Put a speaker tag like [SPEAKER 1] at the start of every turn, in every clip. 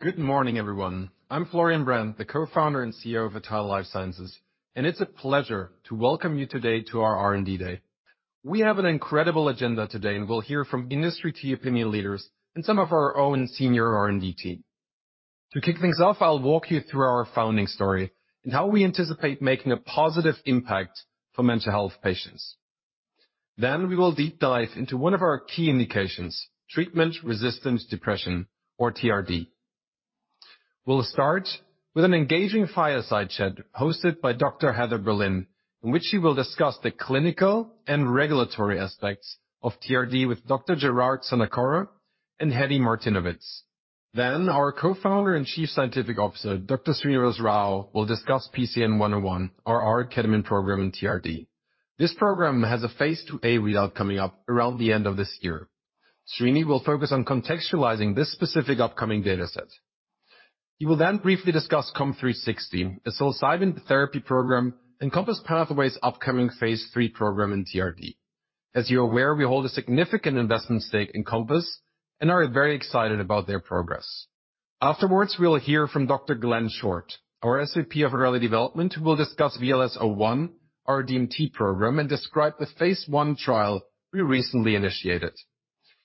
[SPEAKER 1] Good morning, everyone. I'm Florian Brand, the co-founder and CEO of Atai Life Sciences, and it's a pleasure to welcome you today to our R&D Day. We have an incredible agenda today, and we'll hear from key opinion leaders and some of our own senior R&D team. To kick things off, I'll walk you through our founding story and how we anticipate making a positive impact for mental health patients. We will deep dive into one of our key indications, treatment-resistant depression, or TRD. We'll start with an engaging fireside chat hosted by Dr. Heather Berlin, in which she will discuss the clinical and regulatory aspects of TRD with Dr. Gerard Sanacora and Heddie Martynowicz. Our co-founder and chief scientific officer, Dr. Srinivas Rao, will discuss PCN-101, our ketamine program in TRD. This program has a phase IIa readout coming up around the end of this year. Srini will focus on contextualizing this specific upcoming data set. He will then briefly discuss COMP360, a psilocybin therapy program, and Compass Pathways' upcoming phase III program in TRD. As you're aware, we hold a significant investment stake in Compass and are very excited about their progress. Afterwards, we'll hear from Dr. Glenn Short, our SVP of Early Development, who will discuss VLS-01, our DMT program, and describe the phase I trial we recently initiated.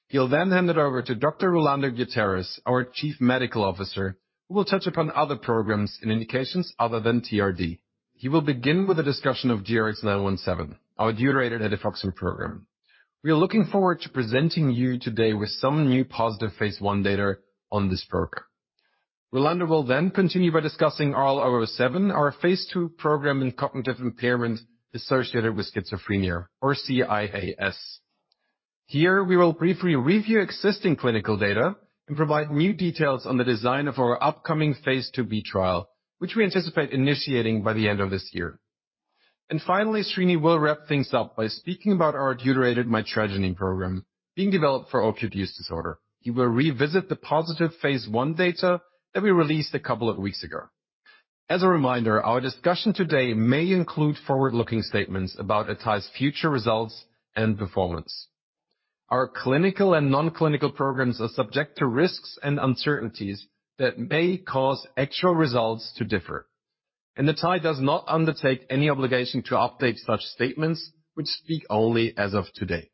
[SPEAKER 1] He'll then hand it over to Dr. Rolando Gutierrez, our chief medical officer, who will touch upon other programs in indications other than TRD. He will begin with a discussion of GRX-917, our deuterated etifoxine program. We are looking forward to presenting to you today with some new positive phase I data on this program. Rolando will then continue by discussing RL-007, our phase II program in cognitive impairment associated with schizophrenia, or CIAS. Here, we will briefly review existing clinical data and provide new details on the design of our upcoming phase 2 IIb trial, which we anticipate initiating by the end of this year. Finally, Srini will wrap things up by speaking about our deuterated mitragynine program being developed for opioid use disorder. He will revisit the positive phase 1 data that we released a couple of weeks ago. As a reminder, our discussion today may include forward-looking statements about Atai's future results and performance. Our clinical and non-clinical programs are subject to risks and uncertainties that may cause actual results to differ. Atai does not undertake any obligation to update such statements which speak only as of today.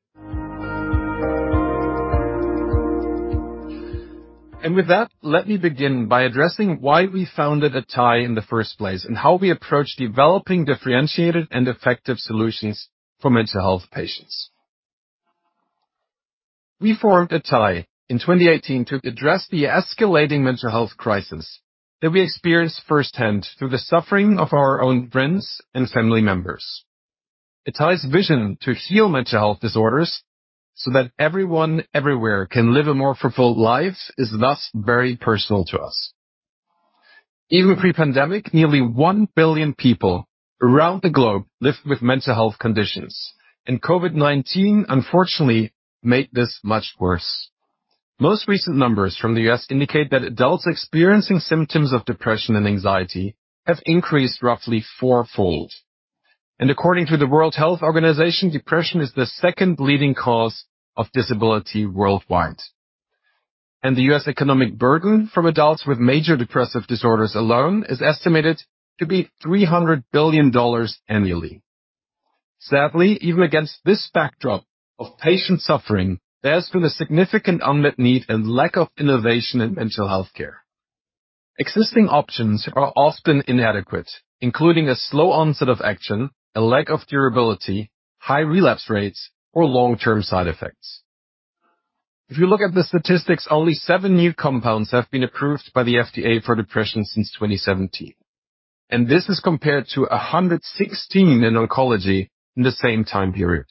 [SPEAKER 1] With that, let me begin by addressing why we founded Atai in the first place and how we approach developing differentiated and effective solutions for mental health patients. We formed Atai in 2018 to address the escalating mental health crisis that we experienced firsthand through the suffering of our own friends and family members. Atai's vision to heal mental health disorders so that everyone everywhere can live a more fulfilled life is thus very personal to us. Even pre-pandemic, nearly 1 billion people around the globe lived with mental health conditions, and COVID-19, unfortunately, made this much worse. Most recent numbers from the U.S. indicate that adults experiencing symptoms of depression and anxiety have increased roughly four-fold. According to the World Health Organization, depression is the second leading cause of disability worldwide. The U.S. economic burden from adults with major depressive disorders alone is estimated to be $300 billion annually. Sadly, even against this backdrop of patient suffering, there has been a significant unmet need and lack of innovation in mental health care. Existing options are often inadequate, including a slow onset of action, a lack of durability, high relapse rates, or long-term side effects. If you look at the statistics, only seven new compounds have been approved by the FDA for depression since 2017, and this is compared to 116 in oncology in the same time period.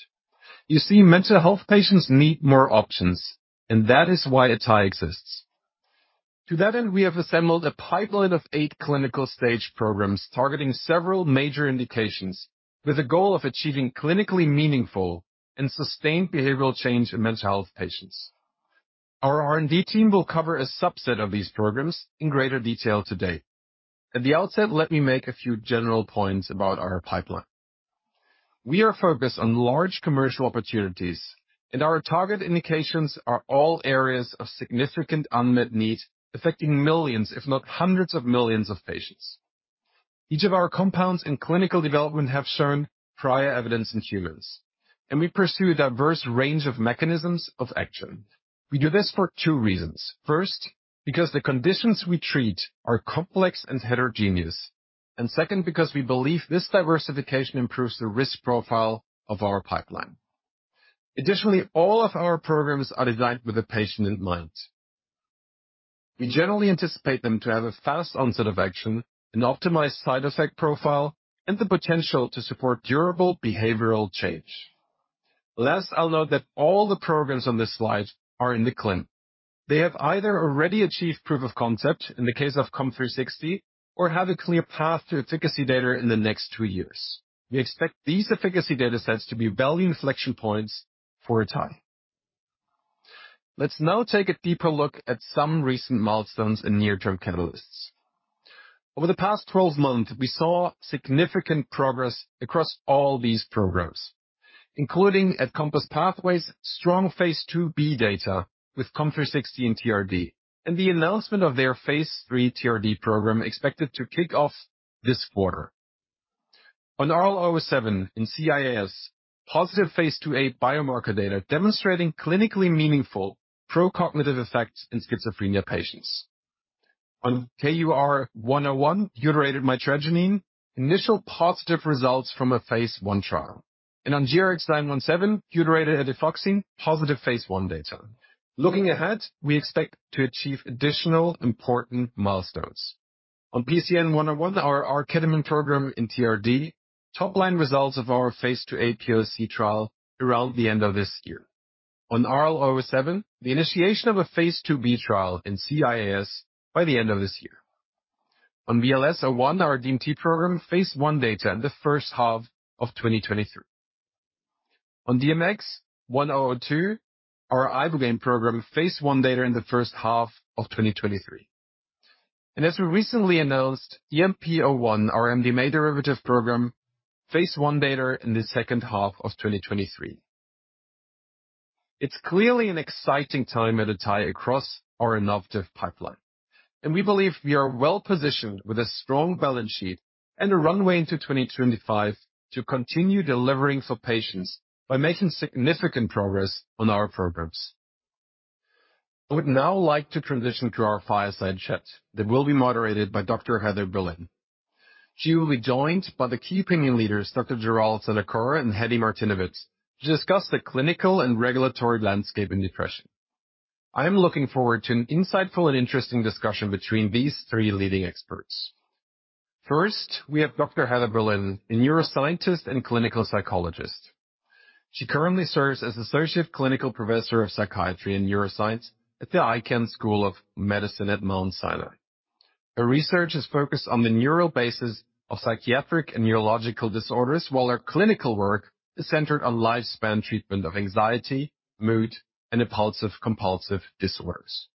[SPEAKER 1] You see, mental health patients need more options, and that is why Atai exists. To that end, we have assembled a pipeline of eight clinical stage programs targeting several major indications with the goal of achieving clinically meaningful and sustained behavioral change in mental health patients. Our R&D team will cover a subset of these programs in greater detail today. At the outset, let me make a few general points about our pipeline. We are focused on large commercial opportunities and our target indications are all areas of significant unmet need affecting millions, if not hundreds of millions of patients. Each of our compounds in clinical development have shown prior evidence in humans, and we pursue a diverse range of mechanisms of action. We do this for two reasons. First, because the conditions we treat are complex and heterogeneous. Second, because we believe this diversification improves the risk profile of our pipeline. Additionally, all of our programs are designed with the patient in mind. We generally anticipate them to have a fast onset of action and optimized side effect profile and the potential to support durable behavioral change. Last, I'll note that all the programs on this slide are in the clinic. They have either already achieved proof of concept in the case of COMP360, or have a clear path to efficacy data in the next two years. We expect these efficacy data sets to be value inflection points for Atai. Let's now take a deeper look at some recent milestones and near-term catalysts. Over the past 12 months, we saw significant progress across all these programs, including at Compass Pathways, strong phase IIb data with COMP360 in TRD, and the announcement of their phase III TRD program expected to kick off this quarter. On RL-007 in CIAS, positive phase IIa biomarker data demonstrating clinically meaningful pro-cognitive effects in schizophrenia patients. On KUR-101, deuterated mitragynine, initial positive results from a phase I trial. On GRX-917, deuterated etifoxine, positive phase I data. Looking ahead, we expect to achieve additional important milestones. On PCN-101, our R-ketamine program in TRD, top-line results of our phase IIa POC trial around the end of this year. On RL-007, the initiation of a phase IIb trial in CIAS by the end of this year. On VLS-01, our DMT program, phase I data in the first half of 2023. On DMX-1002, our ibogaine program, phase I data in the first half of 2023. As we recently announced, EMP-01, our MDMA derivative program, phase I data in the second half of 2023. It's clearly an exciting time at Atai across our innovative pipeline, and we believe we are well-positioned with a strong balance sheet and a runway into 2025 to continue delivering for patients by making significant progress on our programs. I would now like to transition to our fireside chat that will be moderated by Dr. Heather Berlin. She will be joined by the key opinion leaders, Dr. Gerard Sanacora and Heddie Martynowicz, to discuss the clinical and regulatory landscape in depression. I am looking forward to an insightful and interesting discussion between these three leading experts. First, we have Dr. Heather Berlin, a neuroscientist and clinical psychologist. She currently serves as Associate Clinical Professor of Psychiatry and Neuroscience at the Icahn School of Medicine at Mount Sinai. Her research is focused on the neural basis of psychiatric and neurological disorders, while her clinical work is centered on lifespan treatment of anxiety, mood, and impulsive compulsive disorders.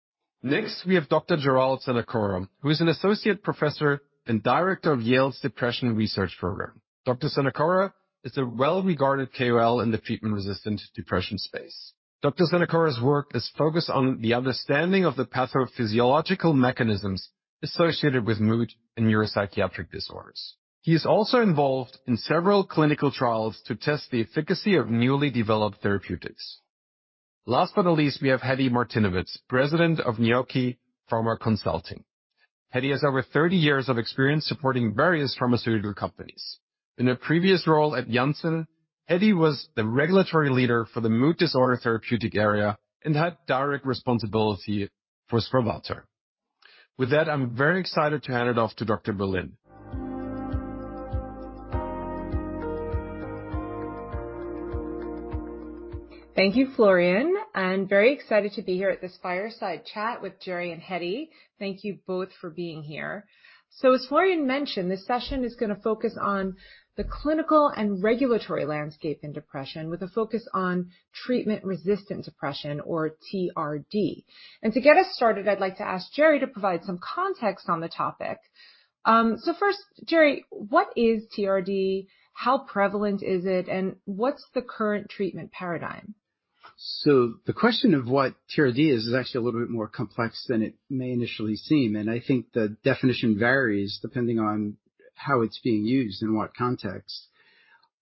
[SPEAKER 1] Next, we have Dr. Gerard Sanacora, who is an Associate Professor and Director of Yale's Depression Research Program. Dr. Sanacora is a well-regarded KOL in the treatment-resistant depression space. Dr. Sanacora's work is focused on the understanding of the pathophysiological mechanisms associated with mood and neuropsychiatric disorders. He is also involved in several clinical trials to test the efficacy of newly developed therapeutics. Last but not least, we have Heddie Martynowicz, President of Neokee Pharma Consulting. Heddie has over 30 years of experience supporting various pharmaceutical companies. In a previous role at Janssen, Heddie was the regulatory leader for the mood disorder therapeutic area and had direct responsibility for SPRAVATO. With that, I'm very excited to hand it off to Dr. Berlin.
[SPEAKER 2] Thank you, Florian. I'm very excited to be here at this fireside chat with Gerry and Heddie. Thank you both for being here. As Florian mentioned, this session is going to focus on the clinical and regulatory landscape in depression with a focus on treatment-resistant depression or TRD. To get us started, I'd like to ask Gerard to provide some context on the topic. First, Gerard, what is TRD? How prevalent is it, and what's the current treatment paradigm?
[SPEAKER 3] The question of what TRD is actually a little bit more complex than it may initially seem, and I think the definition varies depending on how it's being used in what context.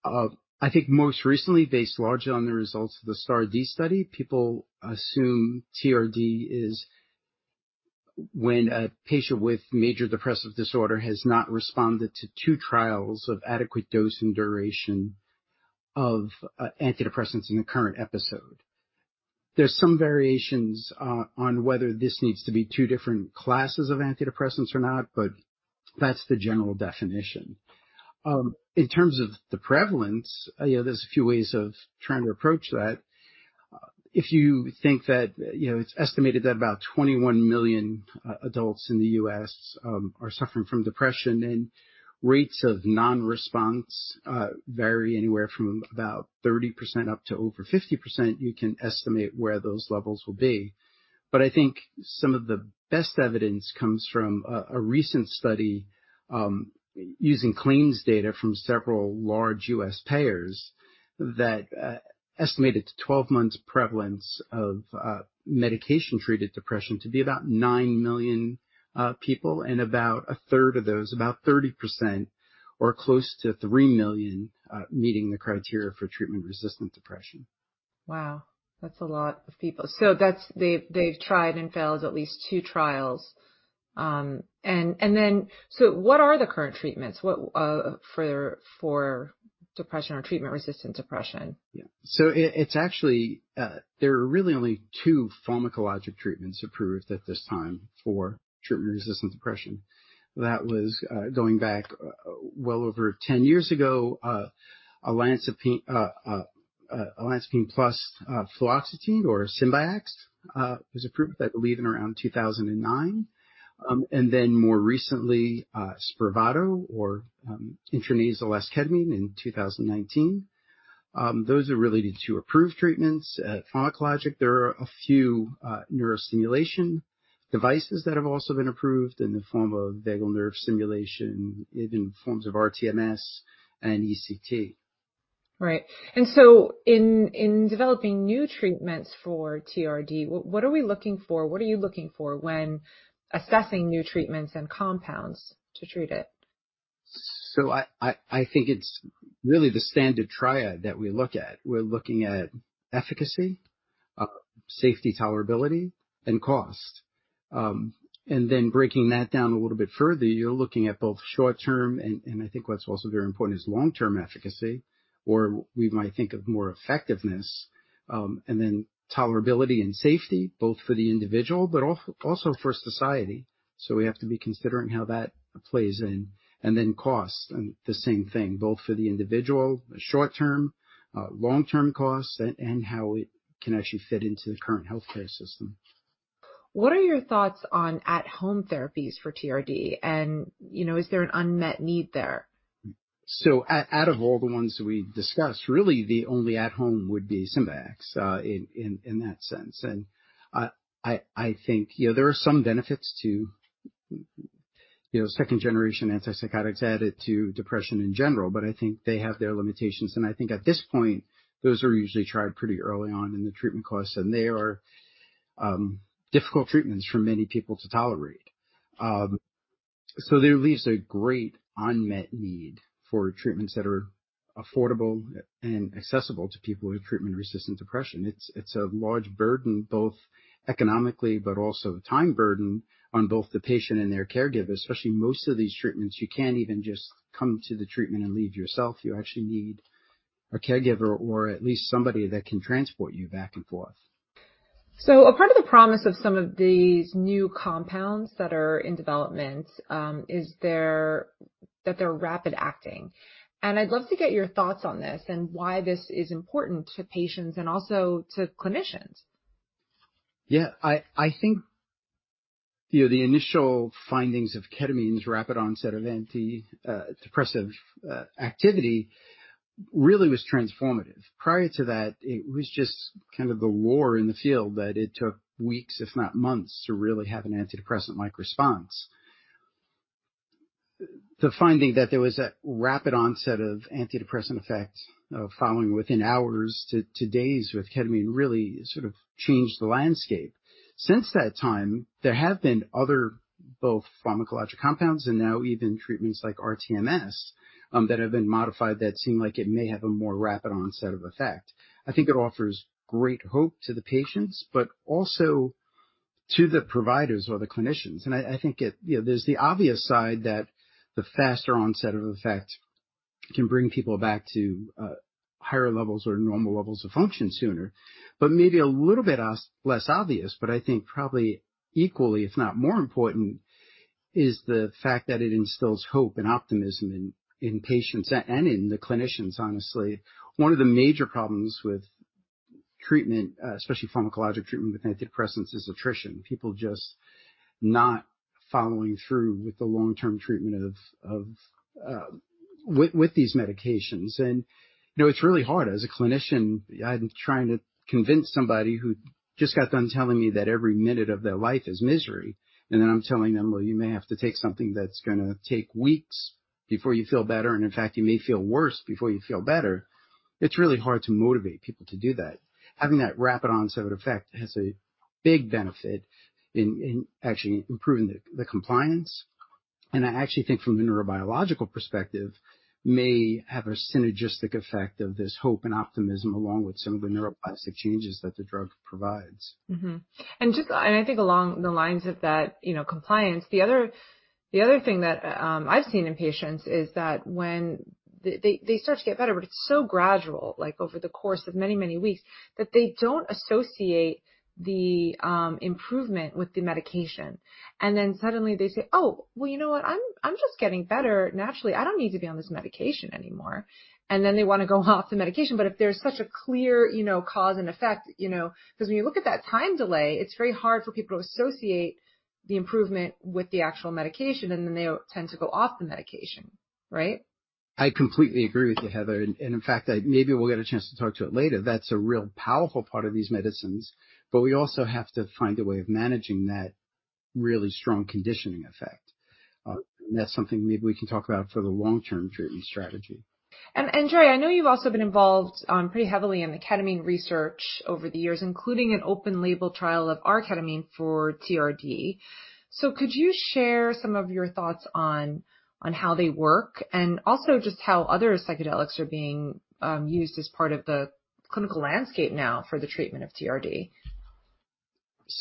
[SPEAKER 3] I think most recently, based largely on the results of the STAR*D study, people assume TRD is when a patient with major depressive disorder has not responded to two trials of adequate dose and duration of antidepressants in the current episode. There's some variations on whether this needs to be two different classes of antidepressants or not, but that's the general definition. In terms of the prevalence, you know, there's a few ways of trying to approach that. If you think that, you know, it's estimated that about 21 million adults in the U.S. are suffering from depression and rates of non-response vary anywhere from about 30% up to over 50%, you can estimate where those levels will be. I think some of the best evidence comes from a recent study using claims data from several large U.S. payers that estimated 12-month prevalence of medication-treated depression to be about 9 million people and about 1/3 of those, about 30% or close to 3 million meeting the criteria for treatment-resistant depression.
[SPEAKER 2] Wow. That's a lot of people. They've tried and failed at least two trials. What are the current treatments? What for depression or treatment-resistant depression?
[SPEAKER 3] Yeah. It's actually there are really only two pharmacologic treatments approved at this time for treatment-resistant depression. That was going back well over 10 years ago, olanzapine plus fluoxetine or Symbyax was approved, I believe, in around 2009. And then more recently, SPRAVATO or intranasal esketamine in 2019. Those are related to approved treatments. Pharmacologic, there are a few neurostimulation devices that have also been approved in the form of vagal nerve stimulation, in forms of rTMS and ECT.
[SPEAKER 2] Right. In developing new treatments for TRD, what are we looking for? What are you looking for when assessing new treatments and compounds to treat it?
[SPEAKER 3] I think it's really the standard triad that we look at. We're looking at efficacy, safety, tolerability, and cost. Breaking that down a little bit further, you're looking at both short-term, and I think what's also very important is long-term efficacy, or we might think of more effectiveness, and then tolerability and safety, both for the individual, but also for society. We have to be considering how that plays in. Cost, and the same thing, both for the individual, short-term, long-term costs, and how it can actually fit into the current healthcare system.
[SPEAKER 2] What are your thoughts on at-home therapies for TRD? You know, is there an unmet need there?
[SPEAKER 3] Out of all the ones we discussed, really the only at home would be Symbyax, in that sense. I think, you know, there are some benefits to, you know, second-generation antipsychotics added to depression in general, but I think they have their limitations. I think at this point, those are usually tried pretty early on in the treatment course, and they are difficult treatments for many people to tolerate. That leaves a great unmet need for treatments that are affordable and accessible to people with treatment-resistant depression. It's a large burden, both economically, but also the time burden on both the patient and their caregivers. Especially most of these treatments, you can't even just come to the treatment and leave yourself. You actually need a caregiver or at least somebody that can transport you back and forth.
[SPEAKER 2] A part of the promise of some of these new compounds that are in development is that they're rapid-acting. I'd love to get your thoughts on this and why this is important to patients and also to clinicians.
[SPEAKER 3] Yeah. I think, you know, the initial findings of ketamine's rapid onset of antidepressive activity really was transformative. Prior to that, it was just kind of the norm in the field that it took weeks, if not months, to really have an antidepressant-like response. The finding that there was a rapid onset of antidepressant effect following within hours to days with ketamine really sort of changed the landscape. Since that time, there have been other both pharmacologic compounds and now even treatments like rTMS that have been modified that seem like it may have a more rapid onset of effect. I think it offers great hope to the patients, but also to the providers or the clinicians. I think it, you know, there's the obvious side that the faster onset of effect can bring people back to higher levels or normal levels of function sooner. Maybe a little bit less obvious, but I think probably equally, if not more important, is the fact that it instills hope and optimism in patients and in the clinicians, honestly. One of the major problems with treatment, especially pharmacologic treatment with antidepressants, is attrition. People just not following through with the long-term treatment with these medications. You know, it's really hard as a clinician. I'm trying to convince somebody who just got done telling me that every minute of their life is misery, and then I'm telling them, "Well, you may have to take something that's gonna take weeks before you feel better, and in fact, you may feel worse before you feel better." It's really hard to motivate people to do that. Having that rapid onset effect has a big benefit in actually improving the compliance, and I actually think from a neurobiological perspective, may have a synergistic effect of this hope and optimism along with some of the neuroplastic changes that the drug provides.
[SPEAKER 2] Mm-hmm. I think along the lines of that, you know, compliance, the other thing that I've seen in patients is that when they start to get better, but it's so gradual, like, over the course of many weeks, that they don't associate the improvement with the medication. Then suddenly they say, "Oh, well, you know what? I'm just getting better naturally. I don't need to be on this medication anymore." Then they wanna go off the medication. If there's such a clear, you know, cause and effect, you know, 'cause when you look at that time delay, it's very hard for people to associate the improvement with the actual medication, and then they tend to go off the medication, right?
[SPEAKER 3] I completely agree with you, Heather. In fact, maybe we'll get a chance to talk to it later. That's a real powerful part of these medicines, but we also have to find a way of managing that really strong conditioning effect. That's something maybe we can talk about for the long-term treatment strategy.
[SPEAKER 2] Jay, I know you've also been involved pretty heavily in the ketamine research over the years, including an open-label trial of R-ketamine for TRD. Could you share some of your thoughts on how they work and also just how other psychedelics are being used as part of the clinical landscape now for the treatment of TRD?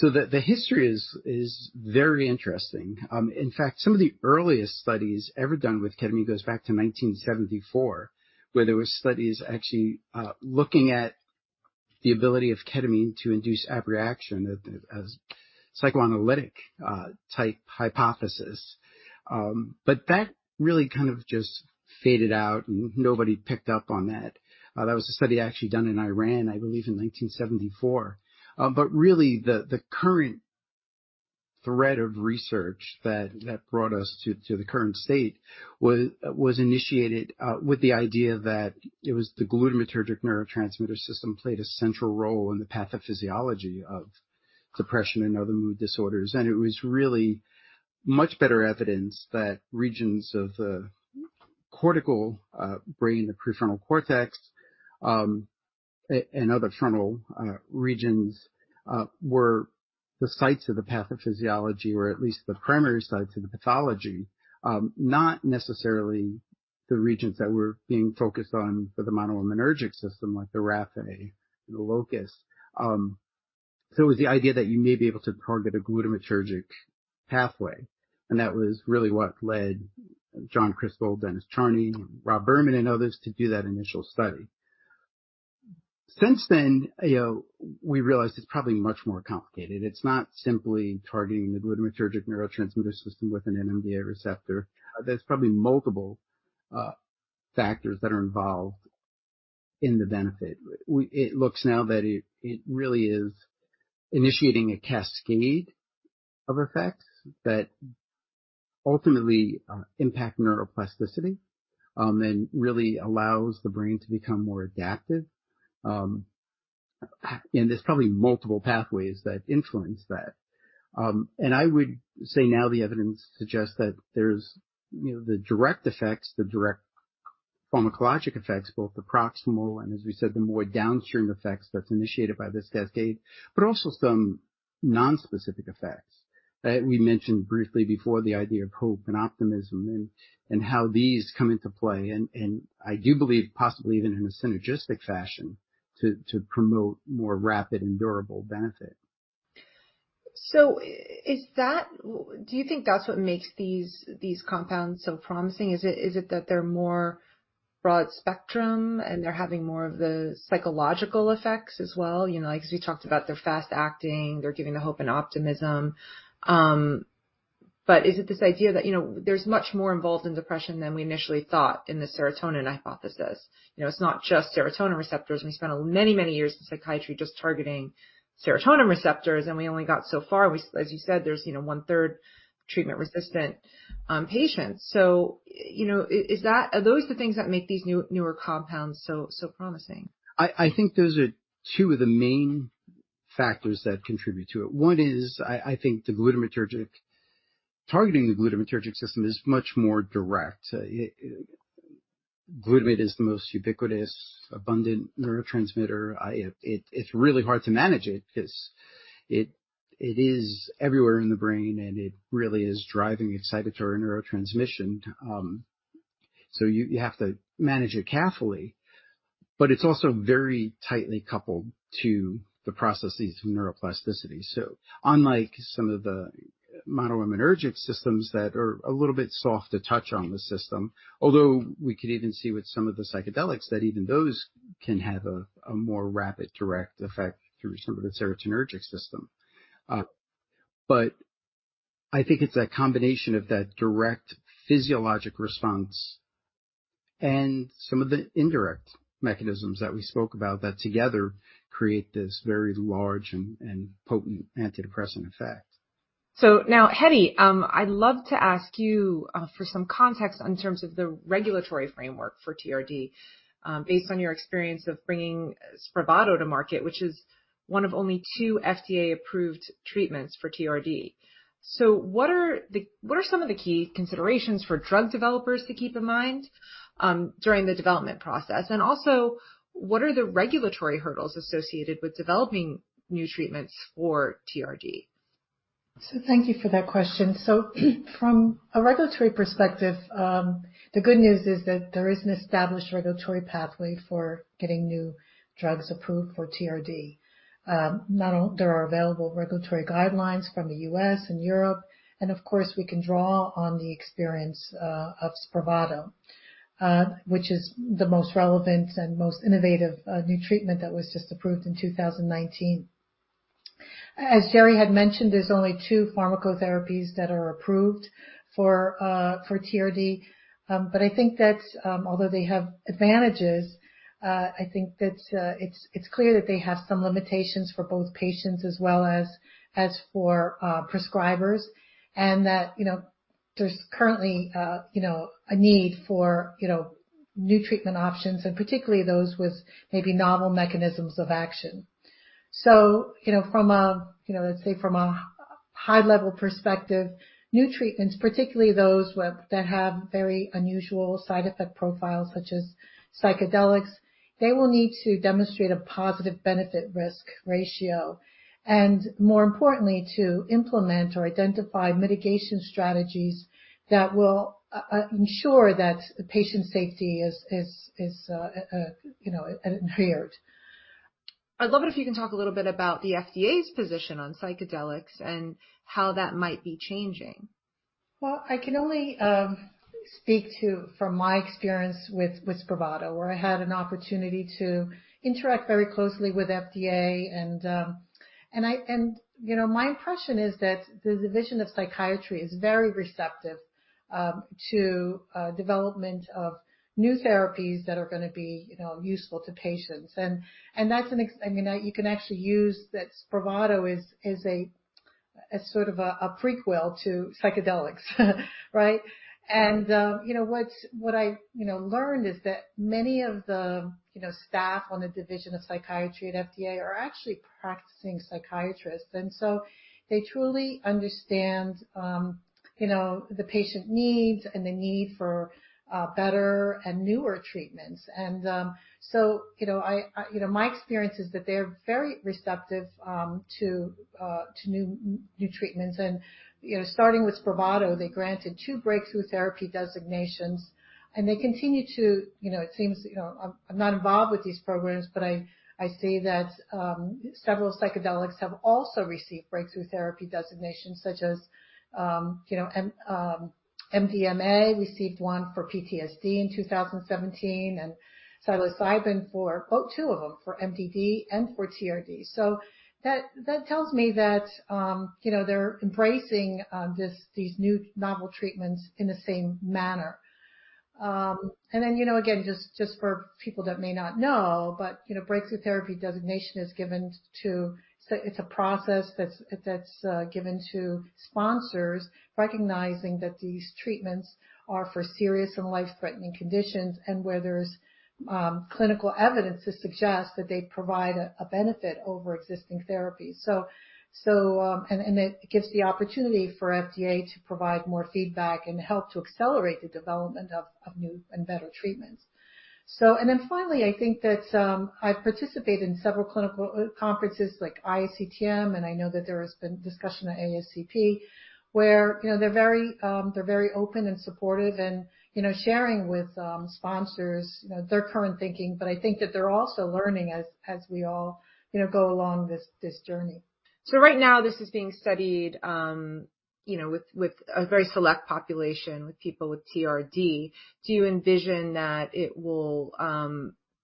[SPEAKER 3] The history is very interesting. In fact, some of the earliest studies ever done with ketamine goes back to 1974, where there were studies actually looking at the ability of ketamine to induce abreaction as a psychoanalytic type hypothesis. That really kind of just faded out, and nobody picked up on that. That was a study actually done in Iran, I believe, in 1974. Really, the current thread of research that brought us to the current state was initiated with the idea that it was the glutamatergic neurotransmitter system played a central role in the pathophysiology of depression and other mood disorders. It was really much better evidence that regions of the cortical brain, the prefrontal cortex, and other frontal regions were the sites of the pathophysiology, or at least the primary sites of the pathology, not necessarily the regions that were being focused on for the monoaminergic system like the raphe and the locus. It was the idea that you may be able to target a glutamatergic pathway, and that was really what led John Krystal, Dennis Charney, Rob Berman, and others to do that initial study. Since then, you know, we realized it's probably much more complicated. It's not simply targeting the glutamatergic neurotransmitter system with an NMDA receptor. There's probably multiple factors that are involved in the benefit. It looks now that it really is initiating a cascade of effects that ultimately impact neuroplasticity and really allows the brain to become more adaptive. There's probably multiple pathways that influence that. I would say now the evidence suggests that there's you know the direct effects, the direct pharmacologic effects, both the proximal and as we said the more downstream effects that's initiated by this cascade, but also some non-specific effects that we mentioned briefly before, the idea of hope and optimism and how these come into play. I do believe possibly even in a synergistic fashion to promote more rapid and durable benefit.
[SPEAKER 2] Do you think that's what makes these compounds so promising? Is it that they're more broad spectrum and they're having more of the psychological effects as well? You know, like, 'cause we talked about they're fast-acting, they're giving the hope and optimism. But is it this idea that, you know, there's much more involved in depression than we initially thought in the serotonin hypothesis? You know, it's not just serotonin receptors. We spent a many, many years in psychiatry just targeting serotonin receptors, and we only got so far. As you said, there's, you know, one-third treatment-resistant patients. You know, are those the things that make these new, newer compounds so promising?
[SPEAKER 3] I think those are two of the main factors that contribute to it. One is, I think targeting the glutamatergic system is much more direct. Glutamate is the most ubiquitous, abundant neurotransmitter. It's really hard to manage it 'cause it is everywhere in the brain, and it really is driving excitatory neurotransmission. You have to manage it carefully. It's also very tightly coupled to the processes of neuroplasticity. Unlike some of the monoaminergic systems that are a little bit soft to touch on the system, although we could even see with some of the psychedelics that even those can have a more rapid direct effect through some of the serotonergic system. I think it's a combination of that direct physiologic response and some of the indirect mechanisms that we spoke about that together create this very large and potent antidepressant effect.
[SPEAKER 2] Now, Heddie, I'd love to ask you for some context in terms of the regulatory framework for TRD, based on your experience of bringing SPRAVATO to market, which is one of only two FDA-approved treatments for TRD. What are some of the key considerations for drug developers to keep in mind during the development process? And also, what are the regulatory hurdles associated with developing new treatments for TRD?
[SPEAKER 4] Thank you for that question. From a regulatory perspective, the good news is that there is an established regulatory pathway for getting new drugs approved for TRD. There are available regulatory guidelines from the U.S. and Europe, and of course, we can draw on the experience of SPRAVATO, which is the most relevant and most innovative new treatment that was just approved in 2019. As Gerry had mentioned, there's only two pharmacotherapies that are approved for TRD. I think that although they have advantages, it's clear that they have some limitations for both patients as well as for prescribers. That, you know, there's currently, you know, a need for, you know, new treatment options and particularly those with maybe novel mechanisms of action. You know, from a high-level perspective, new treatments, particularly those that have very unusual side effect profiles such as psychedelics, they will need to demonstrate a positive benefit risk ratio. More importantly, to implement or identify mitigation strategies that will ensure that the patient's safety is inherent.
[SPEAKER 2] I'd love it if you can talk a little bit about the FDA's position on psychedelics and how that might be changing?
[SPEAKER 4] Well, I can only speak to from my experience with SPRAVATO, where I had an opportunity to interact very closely with FDA. You know, my impression is that the division of psychiatry is very receptive to development of new therapies that are gonna be useful to patients. I mean, you can actually use that Spravato is a sort of a prequel to psychedelics right? You know, what I learned is that many of the staff on the division of psychiatry at FDA are actually practicing psychiatrists. They truly understand the patient needs and the need for better and newer treatments. You know, my experience is that they're very receptive to new treatments and, you know, starting with Spravato, they granted two breakthrough therapy designations, and they continue to, you know, it seems, you know, I'm not involved with these programs, but I see that several psychedelics have also received breakthrough therapy designations such as, you know, MDMA received one for PTSD in 2017, and psilocybin for, well, two of them, for MDD and for TRD. That tells me that, you know, they're embracing these new novel treatments in the same manner. You know, again, just for people that may not know, but, you know, breakthrough therapy designation is given to... It's a process that's given to sponsors recognizing that these treatments are for serious and life-threatening conditions and where there's clinical evidence to suggest that they provide a benefit over existing therapies. It gives the opportunity for FDA to provide more feedback and help to accelerate the development of new and better treatments. Then finally, I think that I've participated in several clinical conferences like ISCTM, and I know that there has been discussion at ASCP, where, you know, they're very open and supportive and, you know, sharing with sponsors, you know, their current thinking. I think that they're also learning as we all, you know, go along this journey.
[SPEAKER 2] Right now, this is being studied, you know, with a very select population with people with TRD. Do you envision that it will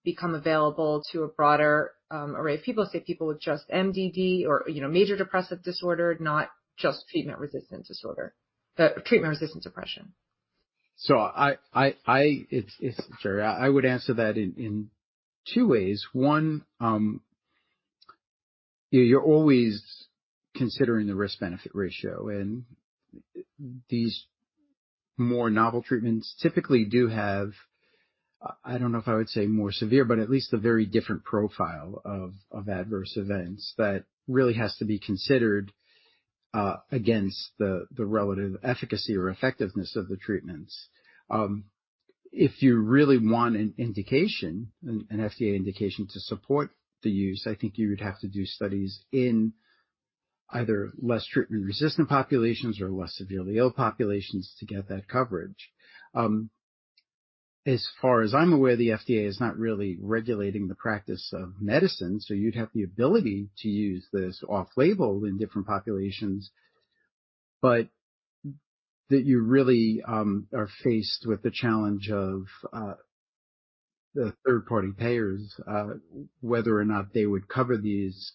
[SPEAKER 2] become available to a broader array of people? Say, people with just MDD or, you know, major depressive disorder, not just treatment-resistant disorder, treatment-resistant depression.
[SPEAKER 3] Sure. I would answer that in two ways. One, you're always considering the risk-benefit ratio, and these more novel treatments typically do have, I don't know if I would say more severe, but at least a very different profile of adverse events that really has to be considered against the relative efficacy or effectiveness of the treatments. If you really want an indication, an FDA indication to support the use, I think you would have to do studies in either less treatment-resistant populations or less severely ill populations to get that coverage. As far as I'm aware, the FDA is not really regulating the practice of medicine, so you'd have the ability to use this off-label in different populations, but that you really are faced with the challenge of the third-party payers, whether or not they would cover these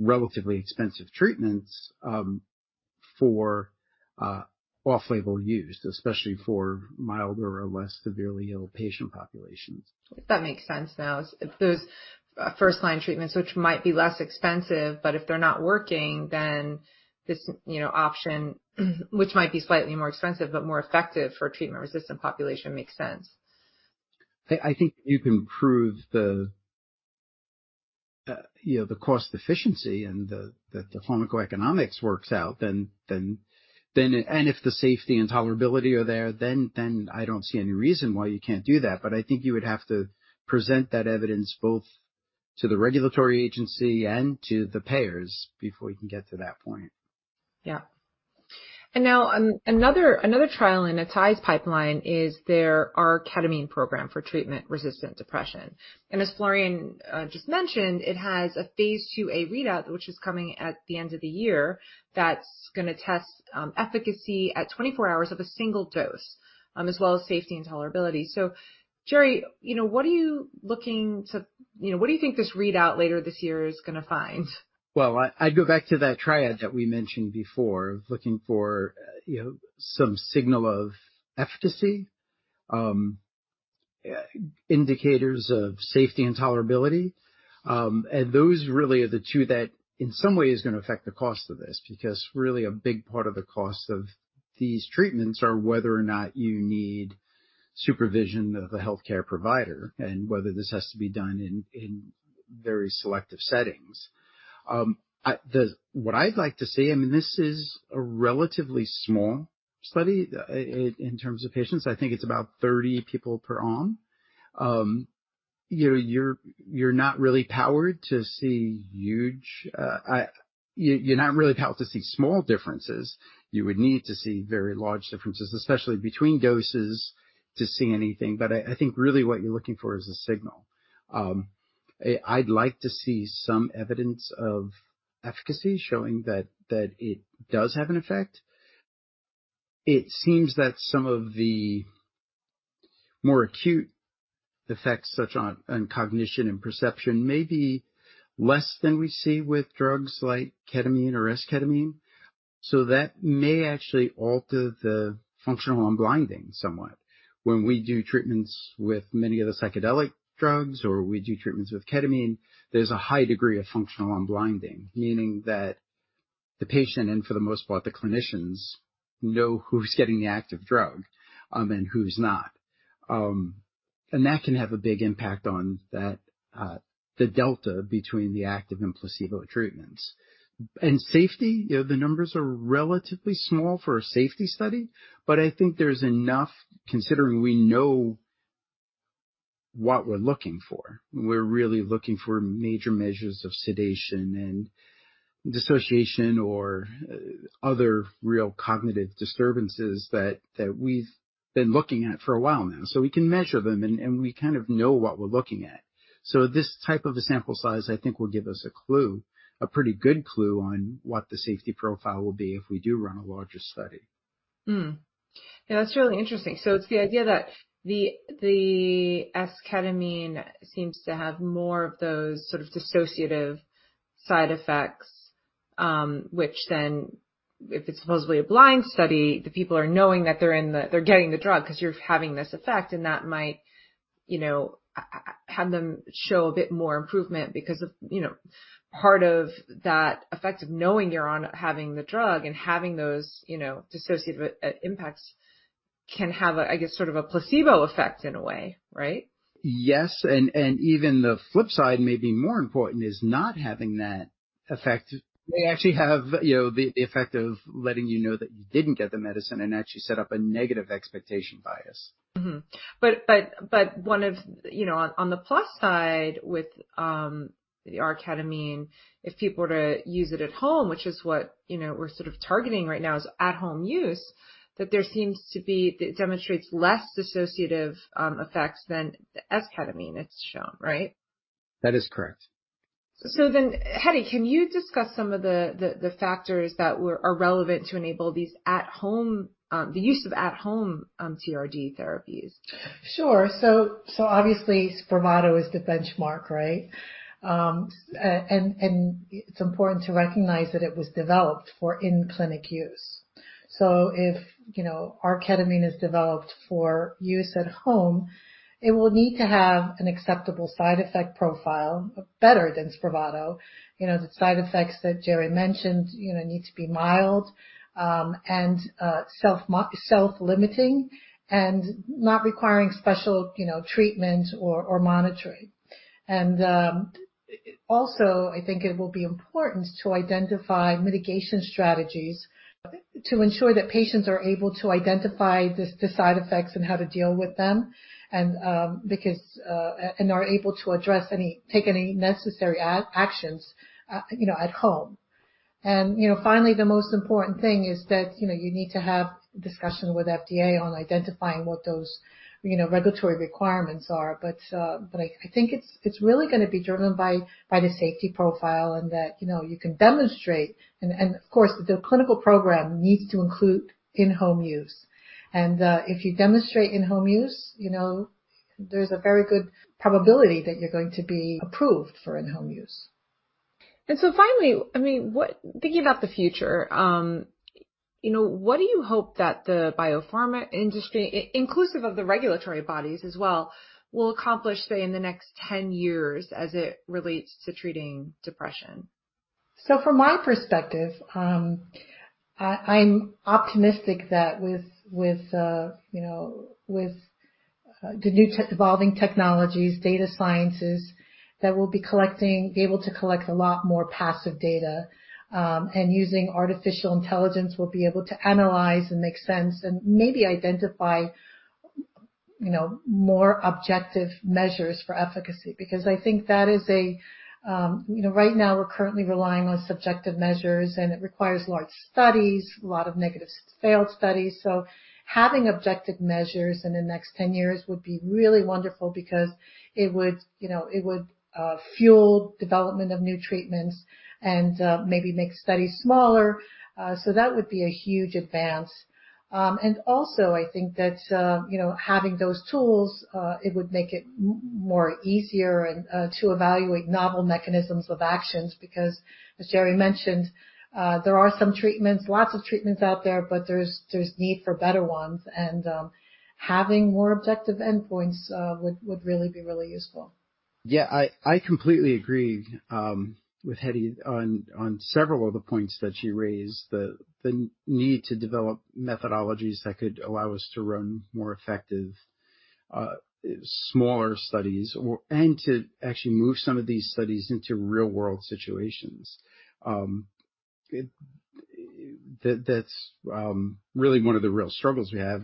[SPEAKER 3] relatively expensive treatments, for off-label use, especially for milder or less severely ill patient populations.
[SPEAKER 2] If that makes sense, though. If those first-line treatments, which might be less expensive, but if they're not working, then this, you know, option which might be slightly more expensive but more effective for treatment-resistant population makes sense.
[SPEAKER 3] I think if you can prove the you know the cost efficiency and the pharmacoeconomics works out then. If the safety and tolerability are there then I don't see any reason why you can't do that. I think you would have to present that evidence both to the regulatory agency and to the payers before you can get to that point.
[SPEAKER 2] Yeah. Now, another trial in Atai's pipeline is their ketamine program for treatment-resistant depression. As Florian just mentioned, it has a phase IIa readout, which is coming at the end of the year, that's gonna test efficacy at 24 hours of a single dose, as well as safety and tolerability. Gerry, you know, what are you looking to, you know, what do you think this readout later this year is gonna find?
[SPEAKER 3] Well, I go back to that triad that we mentioned before of looking for, you know, some signal of efficacy, indicators of safety and tolerability. Those really are the two that in some way is gonna affect the cost of this. Because really a big part of the cost of these treatments are whether or not you need supervision of a healthcare provider and whether this has to be done in very selective settings. What I'd like to see, I mean, this is a relatively small study in terms of patients. I think it's about 30 people per arm. You know, you're not really powered to see small differences. You would need to see very large differences, especially between doses, to see anything. I think really what you're looking for is a signal. I'd like to see some evidence of efficacy showing that it does have an effect. It seems that some of the more acute effects, such as on cognition and perception, may be less than we see with drugs like ketamine or esketamine. That may actually alter the functional unblinding somewhat. When we do treatments with many of the psychedelic drugs or we do treatments with ketamine, there's a high degree of functional unblinding. Meaning that the patient, and for the most part, the clinicians know who's getting the active drug, and who's not. That can have a big impact on that, the delta between the active and placebo treatments. Safety, you know, the numbers are relatively small for a safety study, but I think there's enough considering we know what we're looking for. We're really looking for major measures of sedation and dissociation or other real cognitive disturbances that we've been looking at for a while now. We can measure them and we kind of know what we're looking at. This type of a sample size, I think, will give us a clue, a pretty good clue on what the safety profile will be if we do run a larger study.
[SPEAKER 2] Yeah, that's really interesting. It's the idea that the esketamine seems to have more of those sort of dissociative side effects, which then if it's supposedly a blind study, the people are knowing that they're getting the drug 'cause you're having this effect, and that might, you know, have them show a bit more improvement because of, you know, part of that effect of knowing you're having the drug and having those, you know, dissociative impacts can have a, I guess, sort of a placebo effect in a way, right?
[SPEAKER 3] Yes. Even the flip side may be more important is not having that effect. May actually have, you know, the effect of letting you know that you didn't get the medicine and actually set up a negative expectation bias.
[SPEAKER 2] You know, on the plus side with the R-ketamine, if people were to use it at home, which is what, you know, we're sort of targeting right now is at-home use, that it demonstrates less dissociative effects than the esketamine it's shown, right?
[SPEAKER 3] That is correct.
[SPEAKER 2] Heddie, can you discuss some of the factors that are relevant to enable these at-home, the use of at-home, TRD therapies?
[SPEAKER 4] Sure. Obviously, Spravato is the benchmark, right? It's important to recognize that it was developed for in-clinic use. If you know, R-ketamine is developed for use at home, it will need to have an acceptable side effect profile better than Spravato. You know, the side effects that Gerry mentioned, you know, need to be mild and self-limiting and not requiring special, you know, treatment or monitoring. Also, I think it will be important to identify mitigation strategies to ensure that patients are able to identify the side effects and how to deal with them and are able to address take any necessary actions, you know, at home. You know, finally, the most important thing is that, you know, you need to have discussion with FDA on identifying what those, you know, regulatory requirements are. I think it's really gonna be driven by the safety profile and that, you know, you can demonstrate and of course, the clinical program needs to include in-home use. If you demonstrate in-home use, you know, there's a very good probability that you're going to be approved for in-home use.
[SPEAKER 2] Finally, I mean, thinking about the future, you know, what do you hope that the biopharma industry, inclusive of the regulatory bodies as well, will accomplish, say, in the next 10 years as it relates to treating depression?
[SPEAKER 4] From my perspective, I'm optimistic that with the new evolving technologies, data sciences that we'll be able to collect a lot more passive data, and using artificial intelligence, we'll be able to analyze and make sense and maybe identify more objective measures for efficacy. Because I think that is a... Right now we're currently relying on subjective measures, and it requires large studies, a lot of negative failed studies. Having objective measures in the next 10 years would be really wonderful because it would fuel development of new treatments and maybe make studies smaller. That would be a huge advance. I think that, you know, having those tools, it would make it more easier and to evaluate novel mechanisms of actions because, as Gerry mentioned, there are some treatments, lots of treatments out there, but there's need for better ones. Having more objective endpoints would really be useful.
[SPEAKER 3] Yeah. I completely agree with Heddie on several of the points that she raised. The need to develop methodologies that could allow us to run more effective, smaller studies and to actually move some of these studies into real world situations. That, that's really one of the real struggles we have.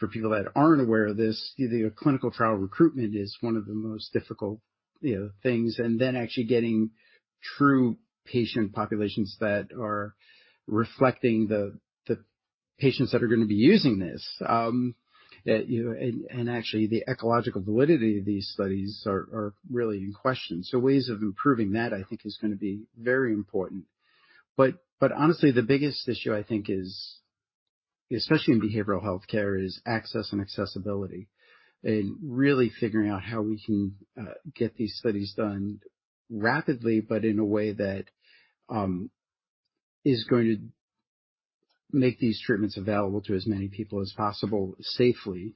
[SPEAKER 3] For people that aren't aware of this, either your clinical trial recruitment is one of the most difficult, you know, things, and then actually getting true patient populations that are reflecting the patients that are gonna be using this. You know, and actually the ecological validity of these studies are really in question. Ways of improving that, I think is gonna be very important. Honestly, the biggest issue I think is Especially in behavioral health care is access and accessibility, and really figuring out how we can get these studies done rapidly, but in a way that is going to make these treatments available to as many people as possible safely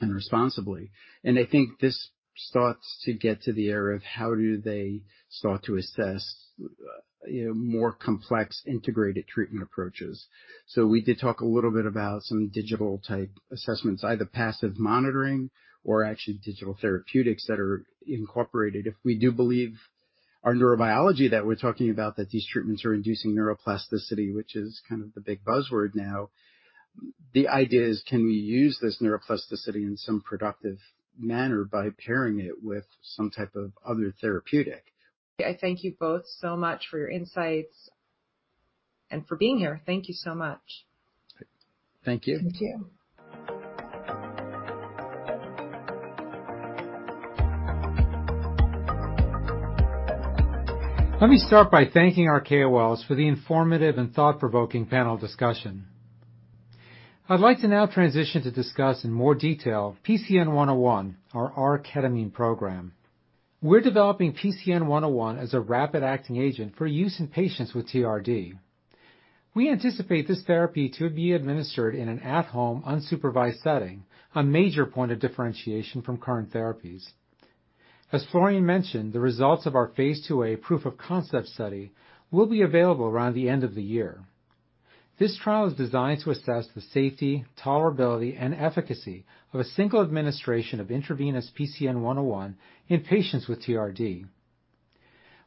[SPEAKER 3] and responsibly. I think this starts to get to the area of how do they start to assess you know more complex integrated treatment approaches. We did talk a little bit about some digital type assessments, either passive monitoring or actually digital therapeutics that are incorporated. If we do believe our neurobiology that we're talking about, that these treatments are inducing neuroplasticity, which is kind of the big buzzword now. The idea is can we use this neuroplasticity in some productive manner by pairing it with some type of other therapeutic.
[SPEAKER 2] I thank you both so much for your insights and for being here. Thank you so much.
[SPEAKER 3] Thank you.
[SPEAKER 4] Thank you.
[SPEAKER 5] Let me start by thanking our KOLs for the informative and thought-provoking panel discussion. I'd like to now transition to discuss in more detail PCN-101, our R-ketamine program. We're developing PCN-101 as a rapid acting agent for use in patients with TRD. We anticipate this therapy to be administered in an at home, unsupervised setting, a major point of differentiation from current therapies. As Florian mentioned, the results of our phase IIa proof of concept study, will be available around the end of the year. This trial is designed to assess the safety, tolerability, and efficacy of a single administration of intravenous PCN-101 in patients with TRD.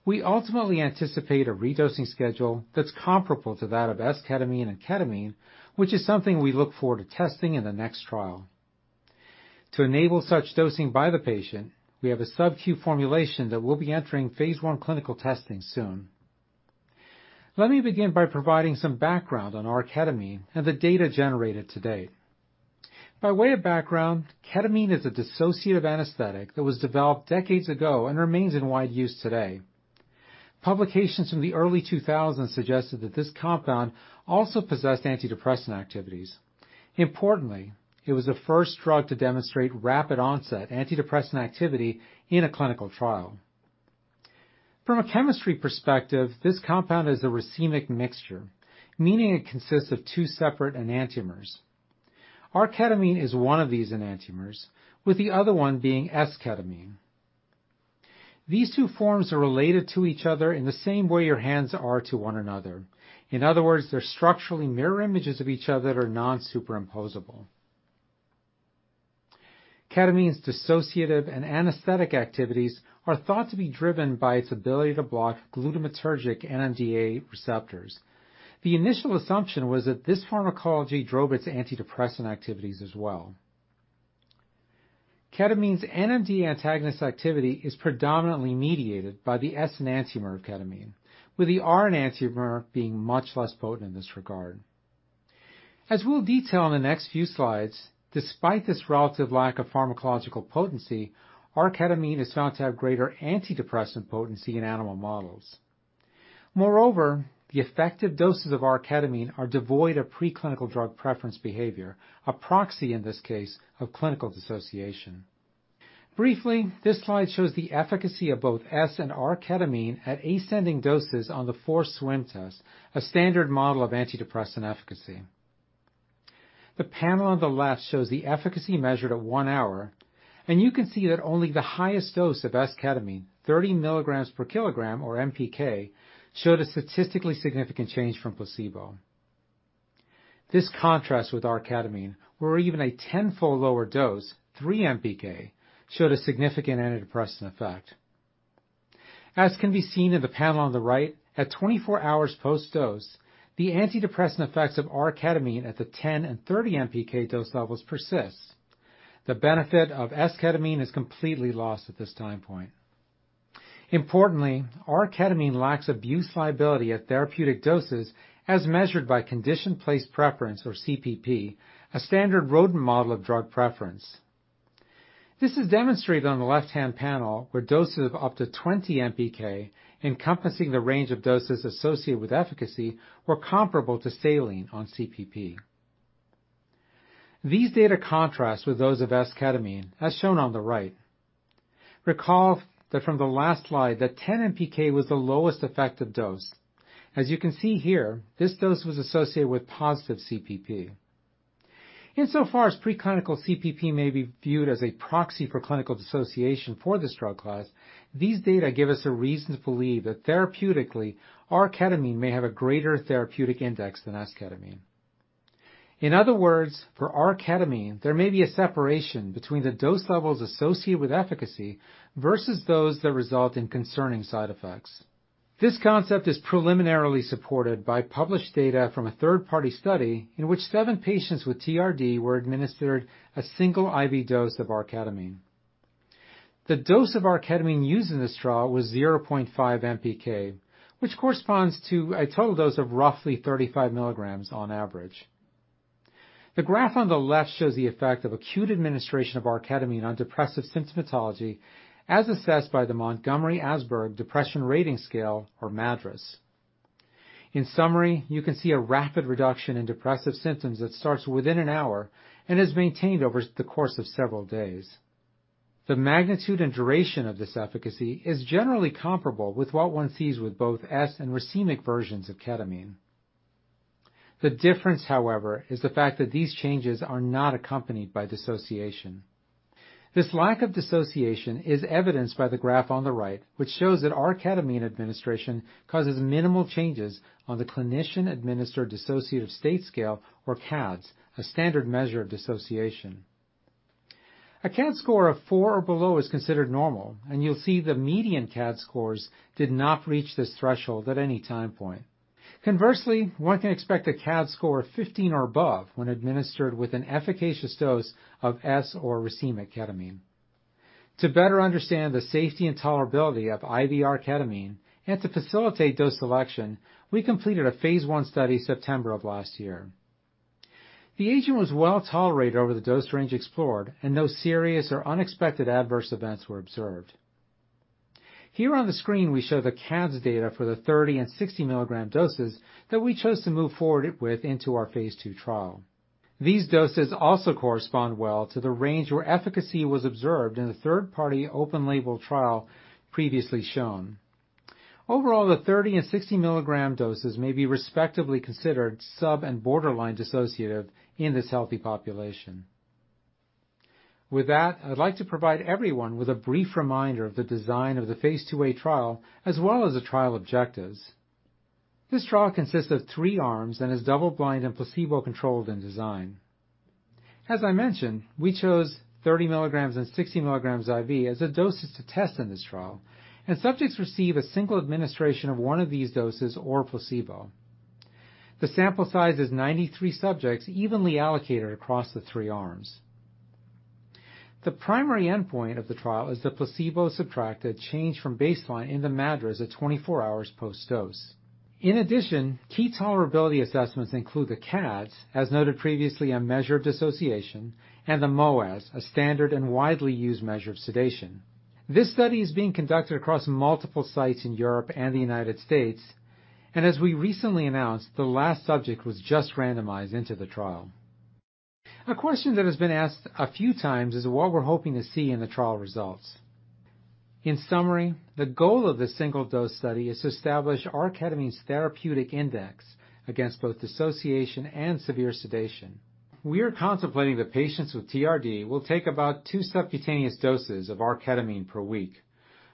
[SPEAKER 5] We ultimately anticipate a redosing schedule that's comparable to that of S-ketamine and ketamine, which is something we look forward to testing in the next trial. To enable such dosing by the patient, we have a subQ formulation that will be entering phase one clinical testing soon. Let me begin by providing some background on R-ketamine and the data generated to date. By way of background, ketamine is a dissociative anesthetic that was developed decades ago and remains in wide use today. Publications from the early 2000 suggested that this compound also possessed antidepressant activities. Importantly, it was the first drug to demonstrate rapid onset antidepressant activity in a clinical trial. From a chemistry perspective, this compound is a racemic mixture, meaning it consists of two separate enantiomers. R-ketamine is one of these enantiomers, with the other one being S-ketamine. These two forms are related to each other in the same way your hands are to one another. In other words, they're structurally mirror images of each other that are non-superimposable. Ketamine's dissociative and anesthetic activities are thought to be driven by its ability to block glutamatergic NMDA receptors. The initial assumption was that this pharmacology drove its antidepressant activities as well. Ketamine's NMDA antagonist activity is predominantly mediated by the S enantiomer of ketamine, with the R enantiomer being much less potent in this regard. As we'll detail in the next few slides, despite this relative lack of pharmacological potency, R-ketamine is found to have greater antidepressant potency in animal models. Moreover, the effective doses of R-ketamine are devoid of preclinical drug preference behavior, a proxy, in this case, of clinical dissociation. Briefly, this slide shows the efficacy of both S and R-ketamine at ascending doses on the forced swim test, a standard model of antidepressant efficacy. The panel on the left shows the efficacy measured at 1 hour, and you can see that only the highest dose of S-ketamine, 30mg/kg or MPK, showed a statistically significant change from placebo. This contrasts with R-ketamine, where even a tenfold lower dose, 3 MPK, showed a significant antidepressant effect. As can be seen in the panel on the right, at 24 hours post-dose, the antidepressant effects of R-ketamine at the 10 and 30 MPK dose levels persists. The benefit of S-ketamine is completely lost at this time point. Importantly, R-ketamine lacks abuse liability at therapeutic doses as measured by conditioned place preference or CPP, a standard rodent model of drug preference. This is demonstrated on the left-hand panel, where doses of up to 20 MPK encompassing the range of doses associated with efficacy were comparable to saline on CPP. These data contrasts with those of S-ketamine, as shown on the right. Recall that from the last slide that 10 MPK was the lowest effective dose. As you can see here, this dose was associated with positive CPP. Insofar as preclinical CPP may be viewed as a proxy for clinical dissociation for this drug class, these data give us a reason to believe that therapeutically R-ketamine may have a greater therapeutic index than S-ketamine. In other words, for R-ketamine, there may be a separation between the dose levels associated with efficacy versus those that result in concerning side effects. This concept is preliminarily supported by published data from a third-party study in which seven patients with TRD were administered a single IV dose of R-ketamine. The dose of R-ketamine used in this trial was 0.5 MPK which corresponds to a total dose of roughly 35 milligrams on average. The graph on the left shows the effect of acute administration of R-ketamine on depressive symptomatology, as assessed by the Montgomery-Åsberg Depression Rating Scale, or MADRS. In summary, you can see a rapid reduction in depressive symptoms that starts within an hour and is maintained over the course of several days. The magnitude and duration of this efficacy is generally comparable with what one sees with both S and racemic versions of ketamine. The difference, however, is the fact that these changes are not accompanied by dissociation. This lack of dissociation is evidenced by the graph on the right, which shows that R-ketamine administration causes minimal changes on the Clinician-Administered Dissociative States Scale, or CADSS, a standard measure of dissociation. A CADSS score of 4 or below is considered normal, and you'll see the median CADSS scores did not reach this threshold at any time point. Conversely, one can expect a CADSS score of 15 or above when administered with an efficacious dose of S or racemic ketamine. To better understand the safety and tolerability of IV R-ketamine and to facilitate dose selection, we completed a phase I study September of last year. The agent was well-tolerated over the dose range explored, and no serious or unexpected adverse events were observed. Here on the screen, we show the CADSS data for the 30 mg and 60 mg doses that we chose to move forward with it into our phase II trial. These doses also correspond well to the range where efficacy was observed in the third-party open label trial previously shown. Overall, the 30 mg- and 60-mg doses may be respectively considered sub- and borderline-dissociative in this healthy population. With that, I'd like to provide everyone with a brief reminder of the design of the phase 2a trial, as well as the trial objectives. This trial consists of three arms and is double-blind and placebo-controlled in design. As I mentioned, we chose 30 mg and 60 mg IV as the doses to test in this trial, and subjects receive a single administration of one of these doses or placebo. The sample size is 93 subjects evenly allocated across the three arms. The primary endpoint of the trial is the placebo-subtracted change from baseline in the MADRS at 24 hours post-dose. In addition, key tolerability assessments include the CADSS, as noted previously, a measure of dissociation, and the MOAA/S, a standard and widely used measure of sedation. This study is being conducted across multiple sites in Europe and the United States, and as we recently announced, the last subject was just randomized into the trial. A question that has been asked a few times is what we're hoping to see in the trial results. In summary, the goal of the single-dose study is to establish R-ketamine's therapeutic index against both dissociation and severe sedation. We are contemplating the patients with TRD will take about two subcutaneous doses of R-ketamine per week.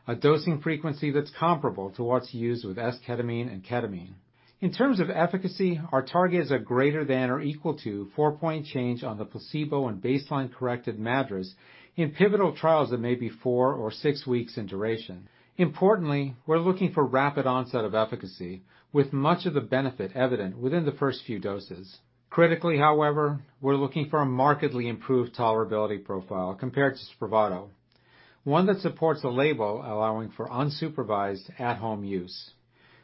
[SPEAKER 5] A dosing frequency that's comparable to what's used with S-ketamine and ketamine. In terms of efficacy, our target is a greater than or equal to 4-point change on the placebo and baseline-corrected MADRS in pivotal trials that may be four or six weeks in duration. Importantly, we're looking for rapid onset of efficacy with much of the benefit evident within the first few doses. Critically, however, we're looking for a markedly improved tolerability profile compared to Spravato, one that supports a label allowing for unsupervised at-home use.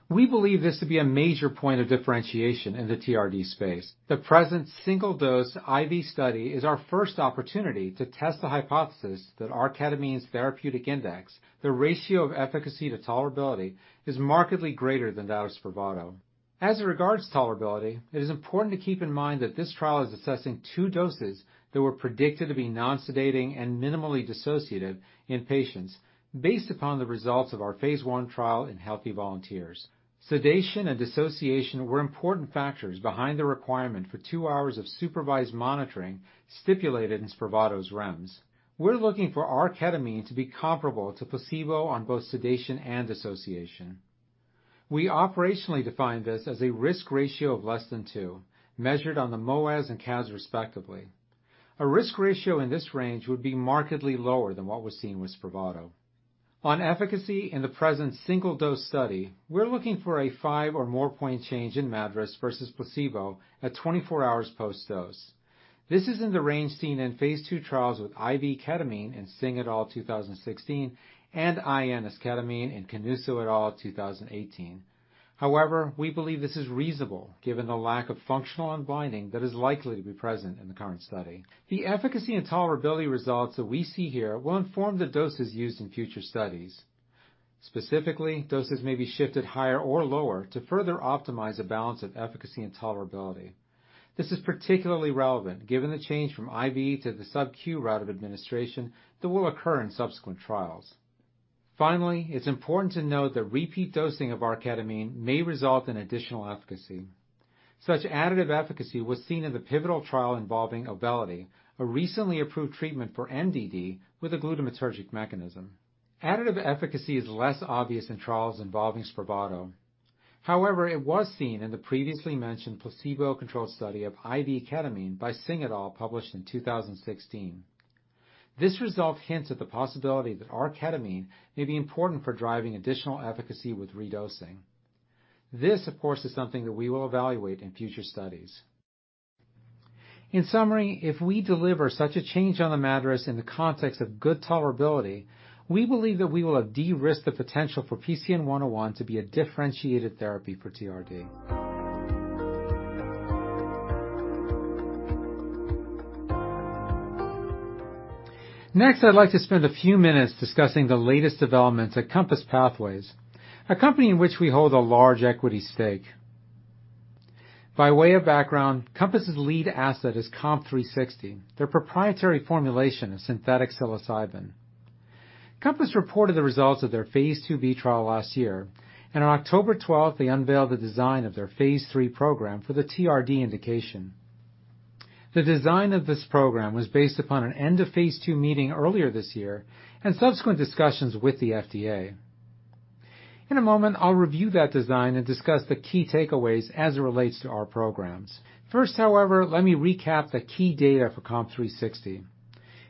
[SPEAKER 5] We believe this to be a major point of differentiation in the TRD space. The present single-dose IV study is our first opportunity to test the hypothesis that R-ketamine's therapeutic index, the ratio of efficacy to tolerability, is markedly greater than that of Spravato. As it regards tolerability, it is important to keep in mind that this trial is assessing two doses that were predicted to be non-sedating and minimally dissociative in patients based upon the results of our phase one trial in healthy volunteers. Sedation and dissociation were important factors behind the requirement for two hours of supervised monitoring stipulated in Spravato's REMS. We're looking for R-ketamine to be comparable to placebo on both sedation and dissociation. We operationally define this as a risk ratio of less than 2, measured on the MOAA/S and CADSS respectively. A risk ratio in this range would be markedly lower than what was seen with Spravato. On efficacy in the present single-dose study, we're looking for a 5 or more point change in MADRS versus placebo at 24 hours post-dose. This is in the range seen in phase II rials with IV ketamine in Singh et al. 2016, and IN esketamine in Canuso et al. 2018. However, we believe this is reasonable given the lack of functional unblinding that is likely to be present in the current study. The efficacy and tolerability results that we see here will inform the doses used in future studies. Specifically, doses may be shifted higher or lower to further optimize a balance of efficacy and tolerability. This is particularly relevant given the change from IV to the subQ route of administration that will occur in subsequent trials. Finally, it's important to note that repeat dosing of R-ketamine may result in additional efficacy. Such additive efficacy was seen in the pivotal trial involving Auvelity, a recently approved treatment for MDD with a glutamatergic mechanism. Additive efficacy is less obvious in trials involving Spravato. However, it was seen in the previously mentioned placebo-controlled study of IV ketamine by Singh et al., published in 2016. This result hints at the possibility that R-ketamine may be important for driving additional efficacy with redosing. This, of course, is something that we will evaluate in future studies. In summary, if we deliver such a change on the MADRS in the context of good tolerability, we believe that we will have de-risked the potential for PCN-101 to be a differentiated therapy for TRD. Next, I'd like to spend a few minutes discussing the latest developments at Compass Pathways, a company in which we hold a large equity stake. By way of background, Compass's lead asset is COMP360, their proprietary formulation of synthetic psilocybin. Compass reported the results of their phase IIb trial last year, and on 12 October 2021, they unveiled the design of their phase III program for the TRD indication. The design of this program was based upon an end of phase II meeting earlier this year and subsequent discussions with the FDA. In a moment, I'll review that design and discuss the key takeaways as it relates to our programs. First, however, let me recap the key data for COMP360.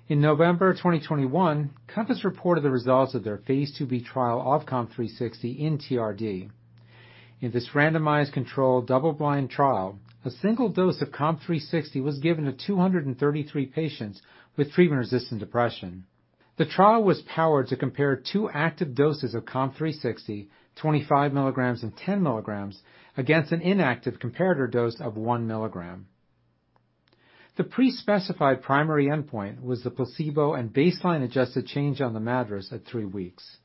[SPEAKER 5] In November 2021, Compass reported the results of their phase IIb trial of COMP360 in TRD. In this randomized controlled double-blind trial, a single dose of COMP360 was given to 233 patients with treatment-resistant depression. The trial was powered to compare two active doses of COMP360, 25 mg and 10 mg, against an inactive comparator dose of 1 mg. The pre-specified primary endpoint was the placebo- and baseline-adjusted change on the MADRS at three weeks.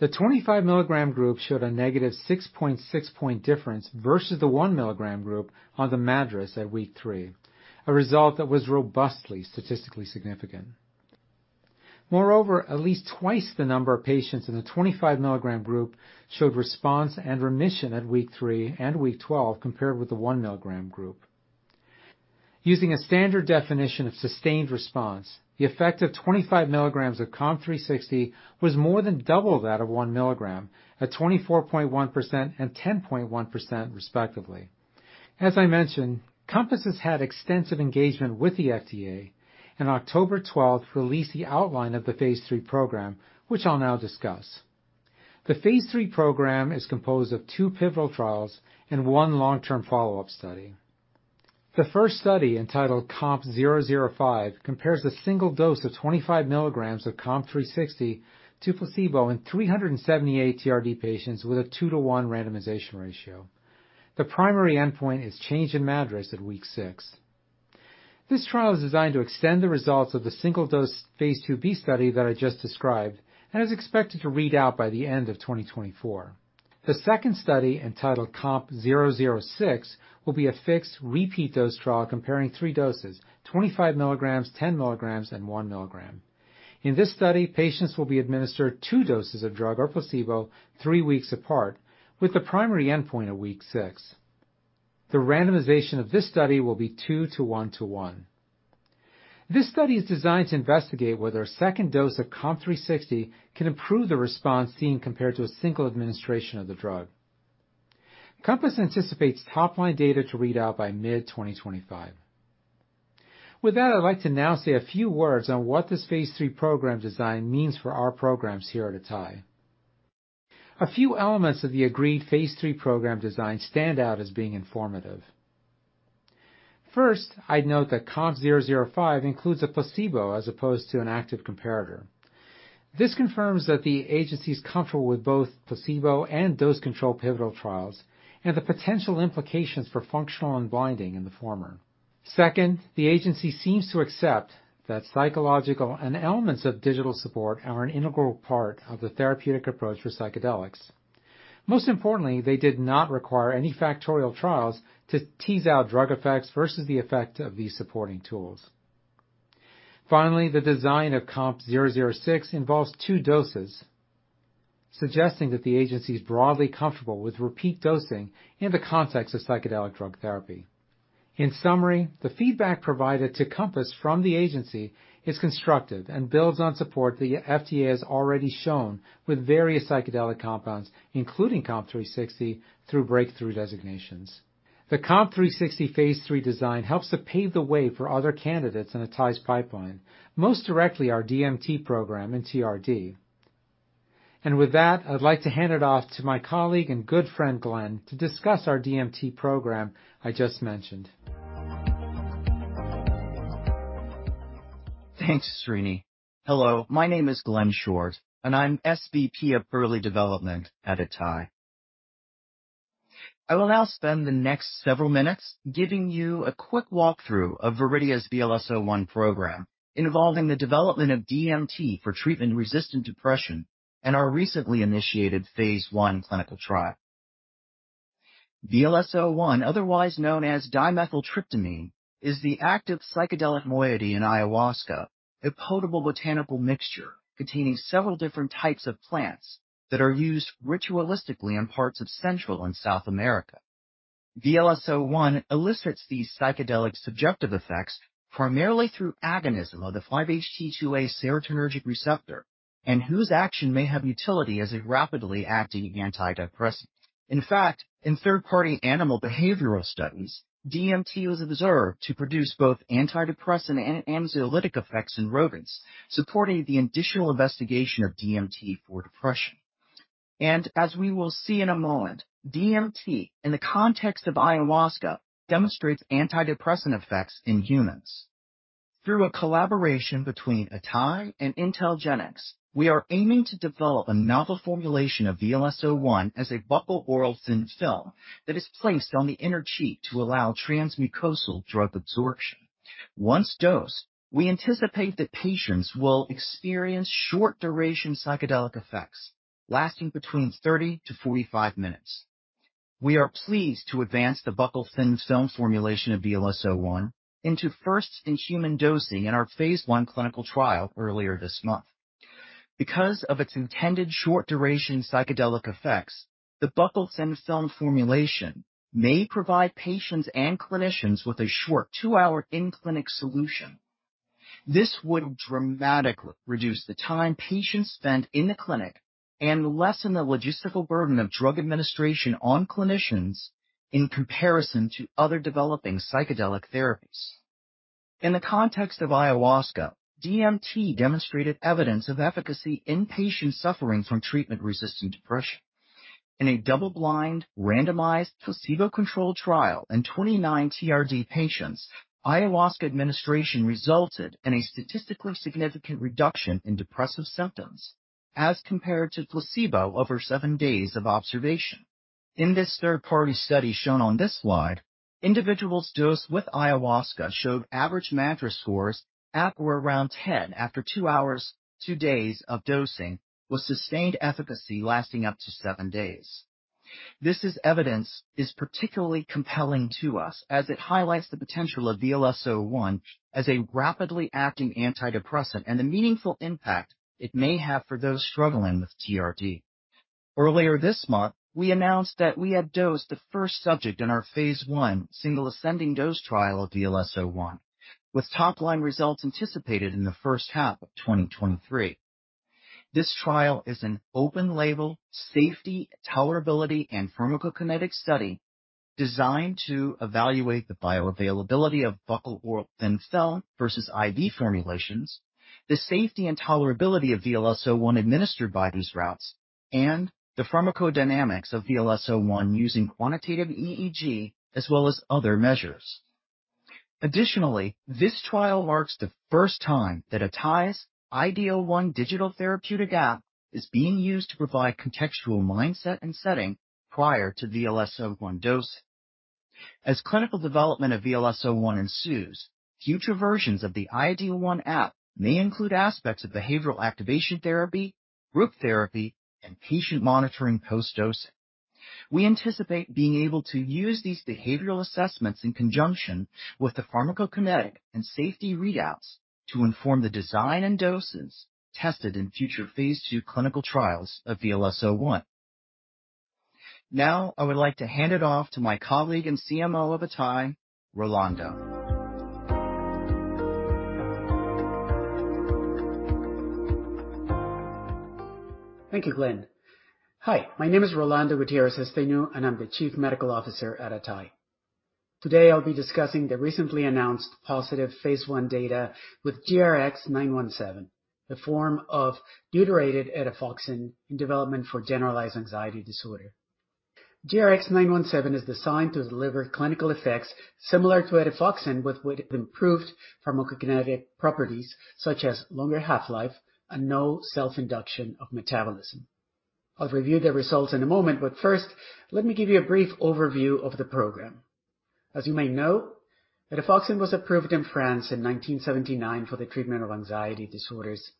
[SPEAKER 5] The 25 mg group showed a negative 6.6 difference versus the 1 mg group on the MADRS at week tree, a result that was robustly statistically significant. Moreover, at least twice the number of patients in the 25 mg group showed response and remission at week three and week 12 compared with the 1 mg group. Using a standard definition of sustained response, the effect of 25 mg of COMP360 was more than double that of 1 mg at 24.1% and 10.1% respectively. As I mentioned, Compass has had extensive engagement with the FDA, and 12 October 2021 released the outline of the phase III program, which I'll now discuss. The phase III program is composed of two pivotal trials and one long-term follow-up study. The first study, entitled COMP005, compares a single dose of 25 mg of COMP360 to placebo in 378 TRD patients with a 2 to 1 randomization ratio. The primary endpoint is change in MADRS at week six. This trial is designed to extend the results of the single dose phase IIb study that I just described and is expected to read out by the end of 2024. The second study, entitled COMP006, will be a fixed repeat dose trial comparing three doses, 25 milligrams, 10 milligrams, and one milligram. In this study, patients will be administered two doses of drug or placebo three weeks apart with the primary endpoint of week six. The randomization of this study will be 2 to 1 to 1. This study is designed to investigate whether a second dose of COMP360 can improve the response seen compared to a single administration of the drug. Compass anticipates top-line data to read out by mid-2025. With that, I'd like to now say a few words on what this phase III program design means for our programs here at Atai. A few elements of the agreed phase III program design stand out as being informative. First, I'd note that COMP005 includes a placebo as opposed to an active comparator. This confirms that the agency is comfortable with both placebo and dose-controlled pivotal trials and the potential implications for functional unblinding in the former. Second, the agency seems to accept that psychological and digital elements of digital support are an integral part of the therapeutic approach for psychedelics. Most importantly, they did not require any factorial trials to tease out drug effects versus the effect of these supporting tools. Finally, the design of COMP006 involves two doses, suggesting that the agency is broadly comfortable with repeat dosing in the context of psychedelic drug therapy. In summary, the feedback provided to Compass Pathways from the agency is constructive and builds on support the FDA has already shown with various psychedelic compounds, including COMP360, through breakthrough designations. The COMP360 phase III design helps to pave the way for other candidates in Atai's pipeline, most directly our DMT program in TRD. With that, I'd like to hand it off to my colleague and good friend, Glenn, to discuss our DMT program I just mentioned.
[SPEAKER 6] Thanks, Srini. Hello, my name is Glenn Short, and I'm SVP of Early Development at Atai. I will now spend the next several minutes giving you a quick walkthrough of Viridia's VLS-01 program involving the development of DMT for treatment-resistant depression and our recently initiated phase I clinical trial. VLS-01, otherwise known as dimethyltryptamine, is the active psychedelic moiety in ayahuasca, a potable botanical mixture containing several different types of plants that are used ritualistically in parts of Central and South America. VLS-01 elicits these psychedelic subjective effects primarily through agonism of the 5-HT2A serotonergic receptor, and whose action may have utility as a rapidly acting antidepressant. In fact, in third-party animal behavioral studies, DMT was observed to produce both antidepressant and anxiolytic effects in rodents, supporting the additional investigation of DMT for depression. As we will see in a moment, DMT, in the context of ayahuasca, demonstrates antidepressant effects in humans. Through a collaboration between Atai and IntelGenx, we are aiming to develop a novel formulation of VLS-01 as a buccal oral thin film that is placed on the inner cheek to allow transmucosal drug absorption. Once dosed, we anticipate that patients will experience short duration psychedelic effects lasting between 30 minutes-45 minutes. We are pleased to advance the buccal thin film formulation of VLS-01 into first-in-human dosing in our phase one clinical trial earlier this month. Because of its intended short duration psychedelic effects, the buccal thin film formulation may provide patients and clinicians with a short two-hour in-clinic solution. This would dramatically reduce the time patients spend in the clinic and lessen the logistical burden of drug administration on clinicians in comparison to other developing psychedelic therapies. In the context of ayahuasca, DMT demonstrated evidence of efficacy in patients suffering from treatment-resistant depression. In a double-blind, randomized, placebo-controlled trial in 29 TRD patients, ayahuasca administration resulted in a statistically significant reduction in depressive symptoms as compared to placebo over seven days of observation. In this third-party study shown on this slide, individuals dosed with ayahuasca showed average MADRS scores at or around 10 after two hours, two days of dosing, with sustained efficacy lasting up to seven days. This evidence is particularly compelling to us as it highlights the potential of VLS01 as a rapidly acting antidepressant and the meaningful impact it may have for those struggling with TRD. Earlier this month, we announced that we had dosed the first subject in our phase I single ascending dose trial of VLS01, with top-line results anticipated in the first half of 2023. This trial is an open label, safety, tolerability, and pharmacokinetic study designed to evaluate the bioavailability of buccal or thin film versus IV formulations, the safety and tolerability of VLS-01 administered by these routes, and the pharmacodynamics of VLS-01 using quantitative EEG as well as other measures. Additionally, this trial marks the first time that Atai's iDEAL-1 digital therapeutic app is being used to provide contextual mindset and setting prior to VLS-01 dosing. As clinical development of VLS-01 ensues, future versions of the iDEAL-1 app may include aspects of behavioral activation therapy, group therapy, and patient monitoring post-dosing. We anticipate being able to use these behavioral assessments in conjunction with the pharmacokinetic and safety readouts to inform the design and doses tested in future phase 2 clinical trials of VLS-01. Now, I would like to hand it off to my colleague and CMO of Atai, Rolando.
[SPEAKER 7] Thank you, Glenn. Hi, my name is Rolando Gutierrez-Esteinou, and I'm the Chief Medical Officer at Atai. Today, I'll be discussing the recently announced positive phase 1 data with GRX-917, the form of deuterated etifoxine in development for generalized anxiety disorder. GRX-917 is designed to deliver clinical effects similar to etifoxine with improved pharmacokinetic properties such as longer half-life and no self-induction of metabolism. I'll review the results in a moment, but first, let me give you a brief overview of the program. As you may know, etifoxine was approved in France in 1979 for the treatment of anxiety disorders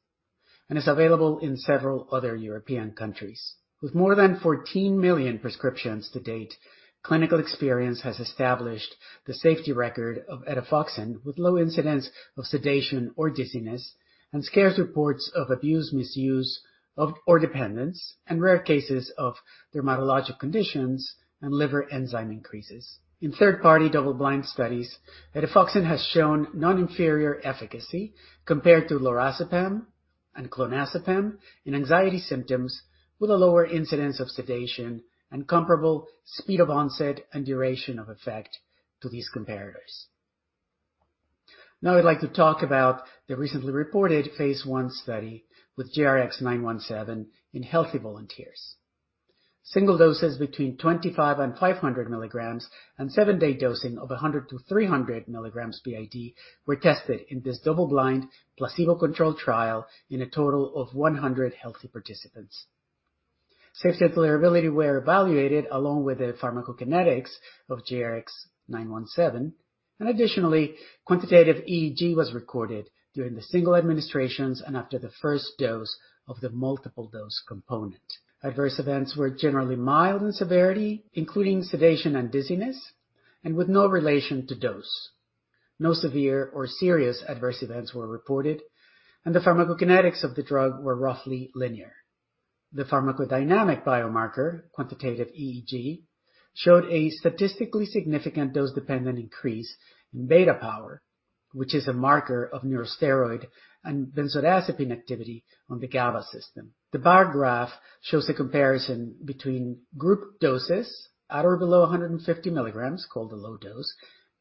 [SPEAKER 7] and is available in several other European countries. With more than 14 million prescriptions to date, clinical experience has established the safety record of etifoxine with low incidence of sedation or dizziness and scarce reports of abuse, misuse, or dependence, and rare cases of dermatologic conditions and liver enzyme increases. In third-party double-blind studies, etifoxine has shown non-inferior efficacy compared to lorazepam and clonazepam in anxiety symptoms with a lower incidence of sedation and comparable speed of onset and duration of effect to these comparators. Now I'd like to talk about the recently reported phase I study with GRX-917 in healthy volunteers. Single doses between 25 mg and 500 mg and 7-day dosing of 100 mg-300mg BID were tested in this double-blind, placebo-controlled trial in a total of 100 healthy participants. Safety and tolerability were evaluated along with the pharmacokinetics of GRX-917. Additionally, quantitative EEG was recorded during the single administrations and after the first dose of the multiple dose component. Adverse events were generally mild in severity, including sedation and dizziness, and with no relation to dose. No severe or serious adverse events were reported, and the pharmacokinetics of the drug were roughly linear. The pharmacodynamic biomarker, quantitative EEG, showed a statistically significant dose-dependent increase in beta power, which is a marker of neurosteroid and benzodiazepine activity on the GABA system. The bar graph shows a comparison between group doses at or below 150 milligrams, called the low dose,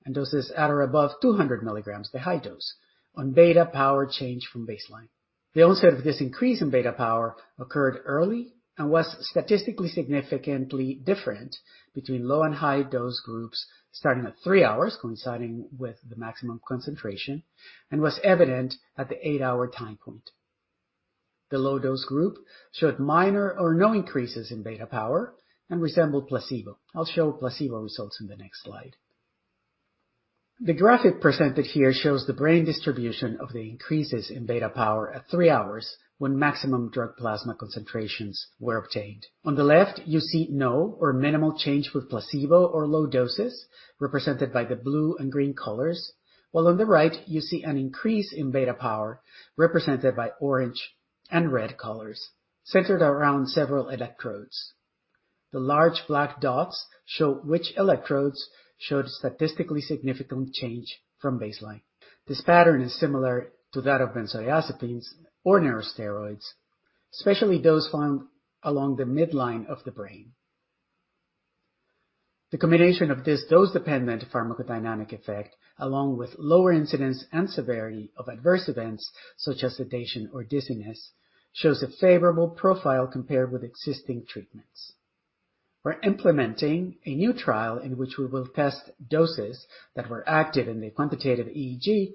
[SPEAKER 7] and doses at or above 200 milligrams, the high dose, on beta power change from baseline. The onset of this increase in beta power occurred early and was statistically significantly different between low and high dose groups starting at three hours, coinciding with the maximum concentration, and was evident at the eight-hour time point. The low dose group showed minor or no increases in beta power and resembled placebo. I'll show placebo results in the next slide. The graphic presented here shows the brain distribution of the increases in beta power at three hours when maximum drug plasma concentrations were obtained. On the left, you see no or minimal change with placebo or low doses represented by the blue and green colors. While on the right, you see an increase in beta power represented by orange and red colors centered around several electrodes. The large black dots show which electrodes showed statistically significant change from baseline. This pattern is similar to that of benzodiazepines or neurosteroids, especially those found along the midline of the brain. The combination of this dose-dependent pharmacodynamic effect, along with lower incidence and severity of adverse events such as sedation or dizziness, shows a favorable profile compared with existing treatments. We're implementing a new trial in which we will test doses that were active in the quantitative EEG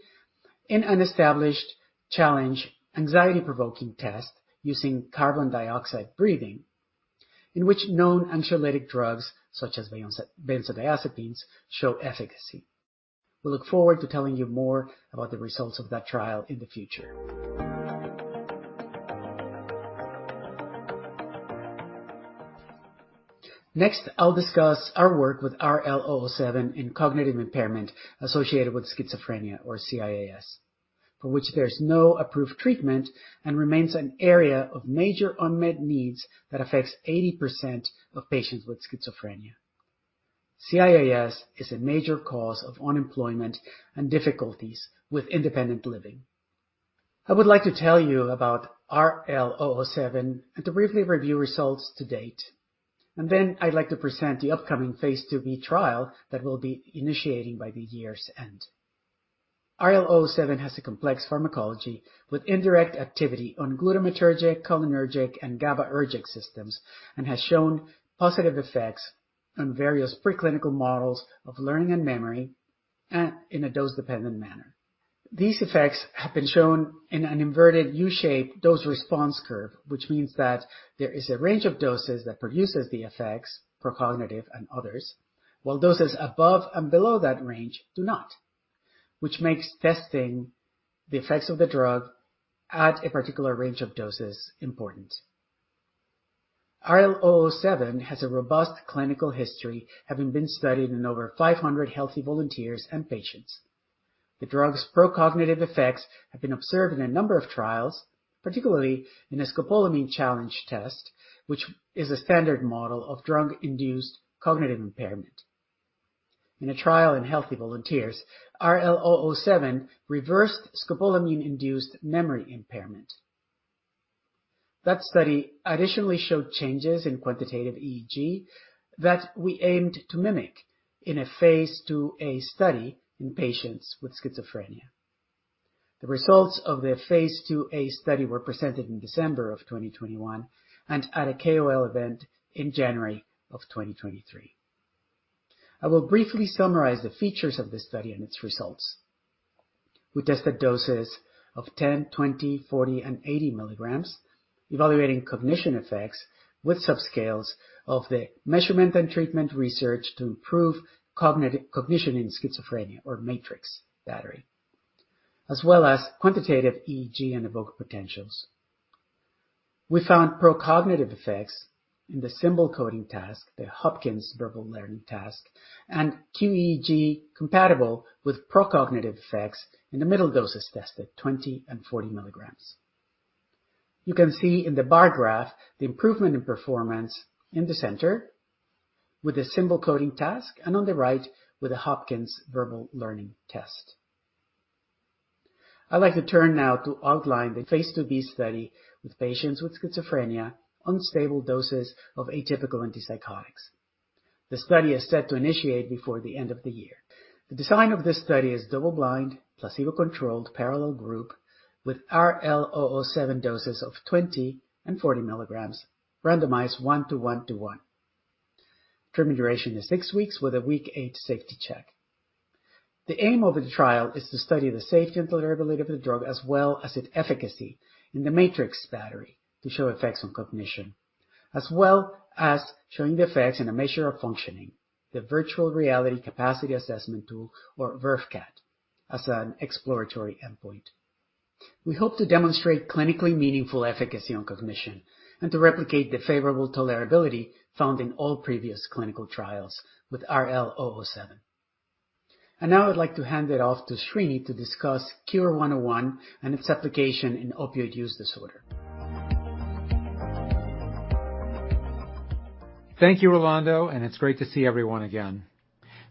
[SPEAKER 7] in an established challenge anxiety-provoking test using carbon dioxide breathing, in which known anxiolytic drugs such as benzodiazepines show efficacy. We look forward to telling you more about the results of that trial in the future. Next, I'll discuss our work with RL-007 in cognitive impairment associated with schizophrenia or CIAS, for which there's no approved treatment and remains an area of major unmet needs that affects 80% of patients with schizophrenia. CIAS is a major cause of unemployment and difficulties with independent living. I would like to tell you about RL-007 and to briefly review results to date, and then I'd like to present the upcoming phase IIb trial that we'll be initiating by the year's end. RL-007 has a complex pharmacology with indirect activity on glutamatergic, cholinergic, and GABAergic systems, and has shown positive effects on various preclinical models of learning and memory in a dose-dependent manner. These effects have been shown in an inverted U-shaped dose response curve, which means that there is a range of doses that produces the effects, procognitive and others, while doses above and below that range do not. Which makes testing the effects of the drug at a particular range of doses important. RL-007 has a robust clinical history, having been studied in over 500 healthy volunteers and patients. The drug's procognitive effects have been observed in a number of trials, particularly in a scopolamine challenge test, which is a standard model of drug-induced cognitive impairment. In a trial in healthy volunteers, RL-007 reversed scopolamine-induced memory impairment. That study additionally showed changes in quantitative EEG that we aimed to mimic in a phase IIa study in patients with schizophrenia. The results of the phase 2 IIa study were presented in December 2021 and at a KOL event in January 2023. I will briefly summarize the features of this study and its results. We tested doses of 10, 20, 40, and 80 milligrams, evaluating cognition effects with subscales of the measurement and treatment research to improve cognition in schizophrenia or MATRICS battery. As well as quantitative EEG and evoked potentials. We found procognitive effects in the Symbol Coding Task, the Hopkins Verbal Learning Test, and QEEG compatible with procognitive effects in the middle doses tested, 20 and 40 milligrams. You can see in the bar graph the improvement in performance in the center with the Symbol Coding Task and on the right with the Hopkins Verbal Learning Test. I'd like to turn now to outline the phase IIb study with patients with schizophrenia on stable doses of atypical antipsychotics. The study is set to initiate before the end of the year. The design of this study is double-blind, placebo-controlled parallel group with RL-007 doses of 20 milligrams and 40 milligrams randomized one-to-one to one. Treatment duration is six weeks with a week eight safety check. The aim of the trial is to study the safety and tolerability of the drug, as well as its efficacy in the MATRICS battery to show effects on cognition, as well as showing the effects in a measure of functioning, the virtual reality capacity assessment tool or VRFCAT, as an exploratory endpoint. We hope to demonstrate clinically meaningful efficacy on cognition and to replicate the favorable tolerability found in all previous clinical trials with RL-007. Now I'd like to hand it off to Srini to discuss KUR-101 and its application in opioid use disorder.
[SPEAKER 5] Thank you, Rolando, and it's great to see everyone again.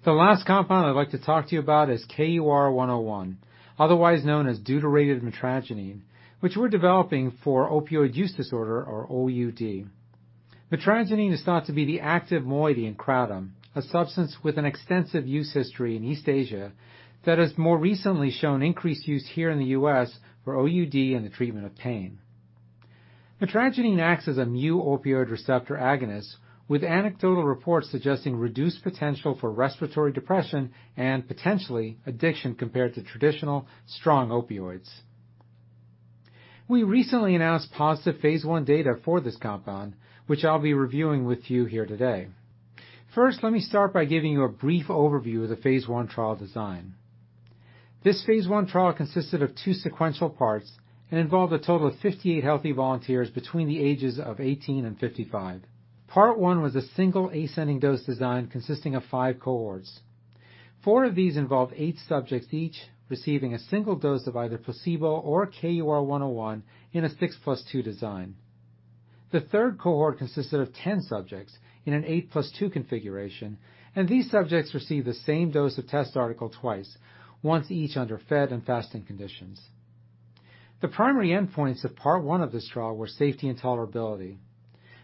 [SPEAKER 5] The last compound I'd like to talk to you about is KUR-101, otherwise known as deuterated mitragynine, which we're developing for opioid use disorder or OUD. Mitragynine is thought to be the active moiety in kratom, a substance with an extensive use history in East Asia that has more recently shown increased use here in the U.S. for OUD and the treatment of pain. Naltrexone acts as a mu-opioid receptor agonist with anecdotal reports suggesting reduced potential for respiratory depression and potentially addiction compared to traditional strong opioids. We recently announced positive phase I data for this compound, which I'll be reviewing with you here today. First, let me start by giving you a brief overview of the phase I trial design. This phase I trial consisted of two sequential parts and involved a total of 58 healthy volunteers between the ages of 18 and 55. Part I was a single ascending dose design consisting of five cohorts. Four of these involved eight subjects each, receiving a single dose of either placebo or KUR-101 in a 6+2 design. The third cohort consisted of 10 subjects in an 8+2 configuration, and these subjects received the same dose of test article twice, once each under fed and fasting conditions. The primary endpoints of part 1 of this trial were safety and tolerability.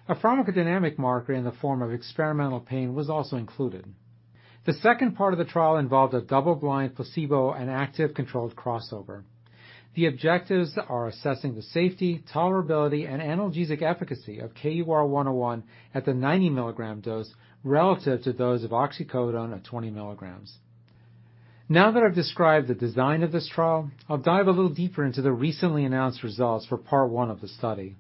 [SPEAKER 5] A pharmacodynamic marker in the form of experimental pain was also included. The second part of the trial involved a double-blind, placebo and active controlled crossover. The objectives are assessing the safety, tolerability, and analgesic efficacy of KUR-101 at the 90-milligram dose relative to those of oxycodone at 20 milligrams. Now that I've described the design of this trial, I'll dive a little deeper into the recently announced results for part 1 of the study.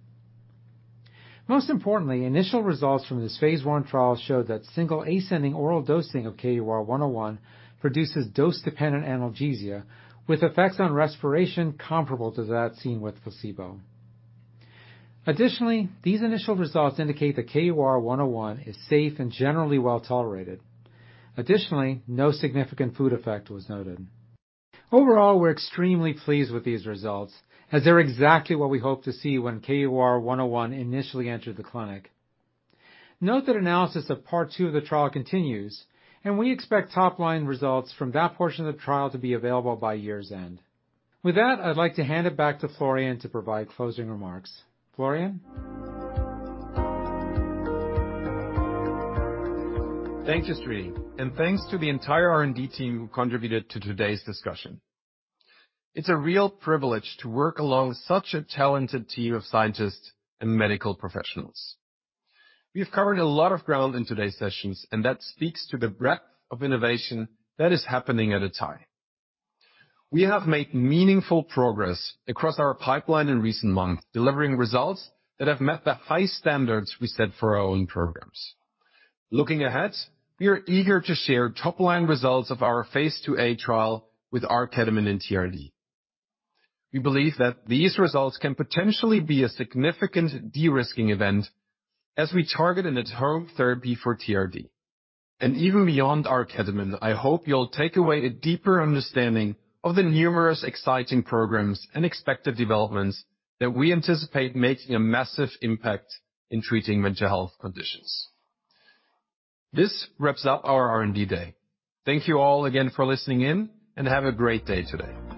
[SPEAKER 5] Most importantly, initial results from this phase I trial showed that single ascending oral dosing of KUR-101 produces dose-dependent analgesia with effects on respiration comparable to that seen with placebo. Additionally, these initial results indicate the KUR-101 is safe and generally well-tolerated. Additionally, no significant food effect was noted. Overall, we're extremely pleased with these results as they're exactly what we hoped to see when KUR-101 initially entered the clinic. Note that analysis of part 2 of the trial continues, and we expect top-line results from that portion of the trial to be available by year's end. With that, I'd like to hand it back to Florian to provide closing remarks. Florian?
[SPEAKER 1] Thanks, Srini, and thanks to the entire R&D team who contributed to today's discussion. It's a real privilege to work alongside such a talented team of scientists and medical professionals. We have covered a lot of ground in today's sessions, and that speaks to the breadth of innovation that is happening at Atai. We have made meaningful progress across our pipeline in recent months, delivering results that have met the high standards we set for our own programs. Looking ahead, we are eager to share top-line results of our phase IIa trial with R-ketamine in TRD. We believe that these results can potentially be a significant de-risking event as we target an at-home therapy for TRD. Even beyond R-ketamine, I hope you'll take away a deeper understanding of the numerous exciting programs and expected developments that we anticipate making a massive impact in treating mental health conditions. This wraps up our R&D day. Thank you all again for listening in, and have a great day today.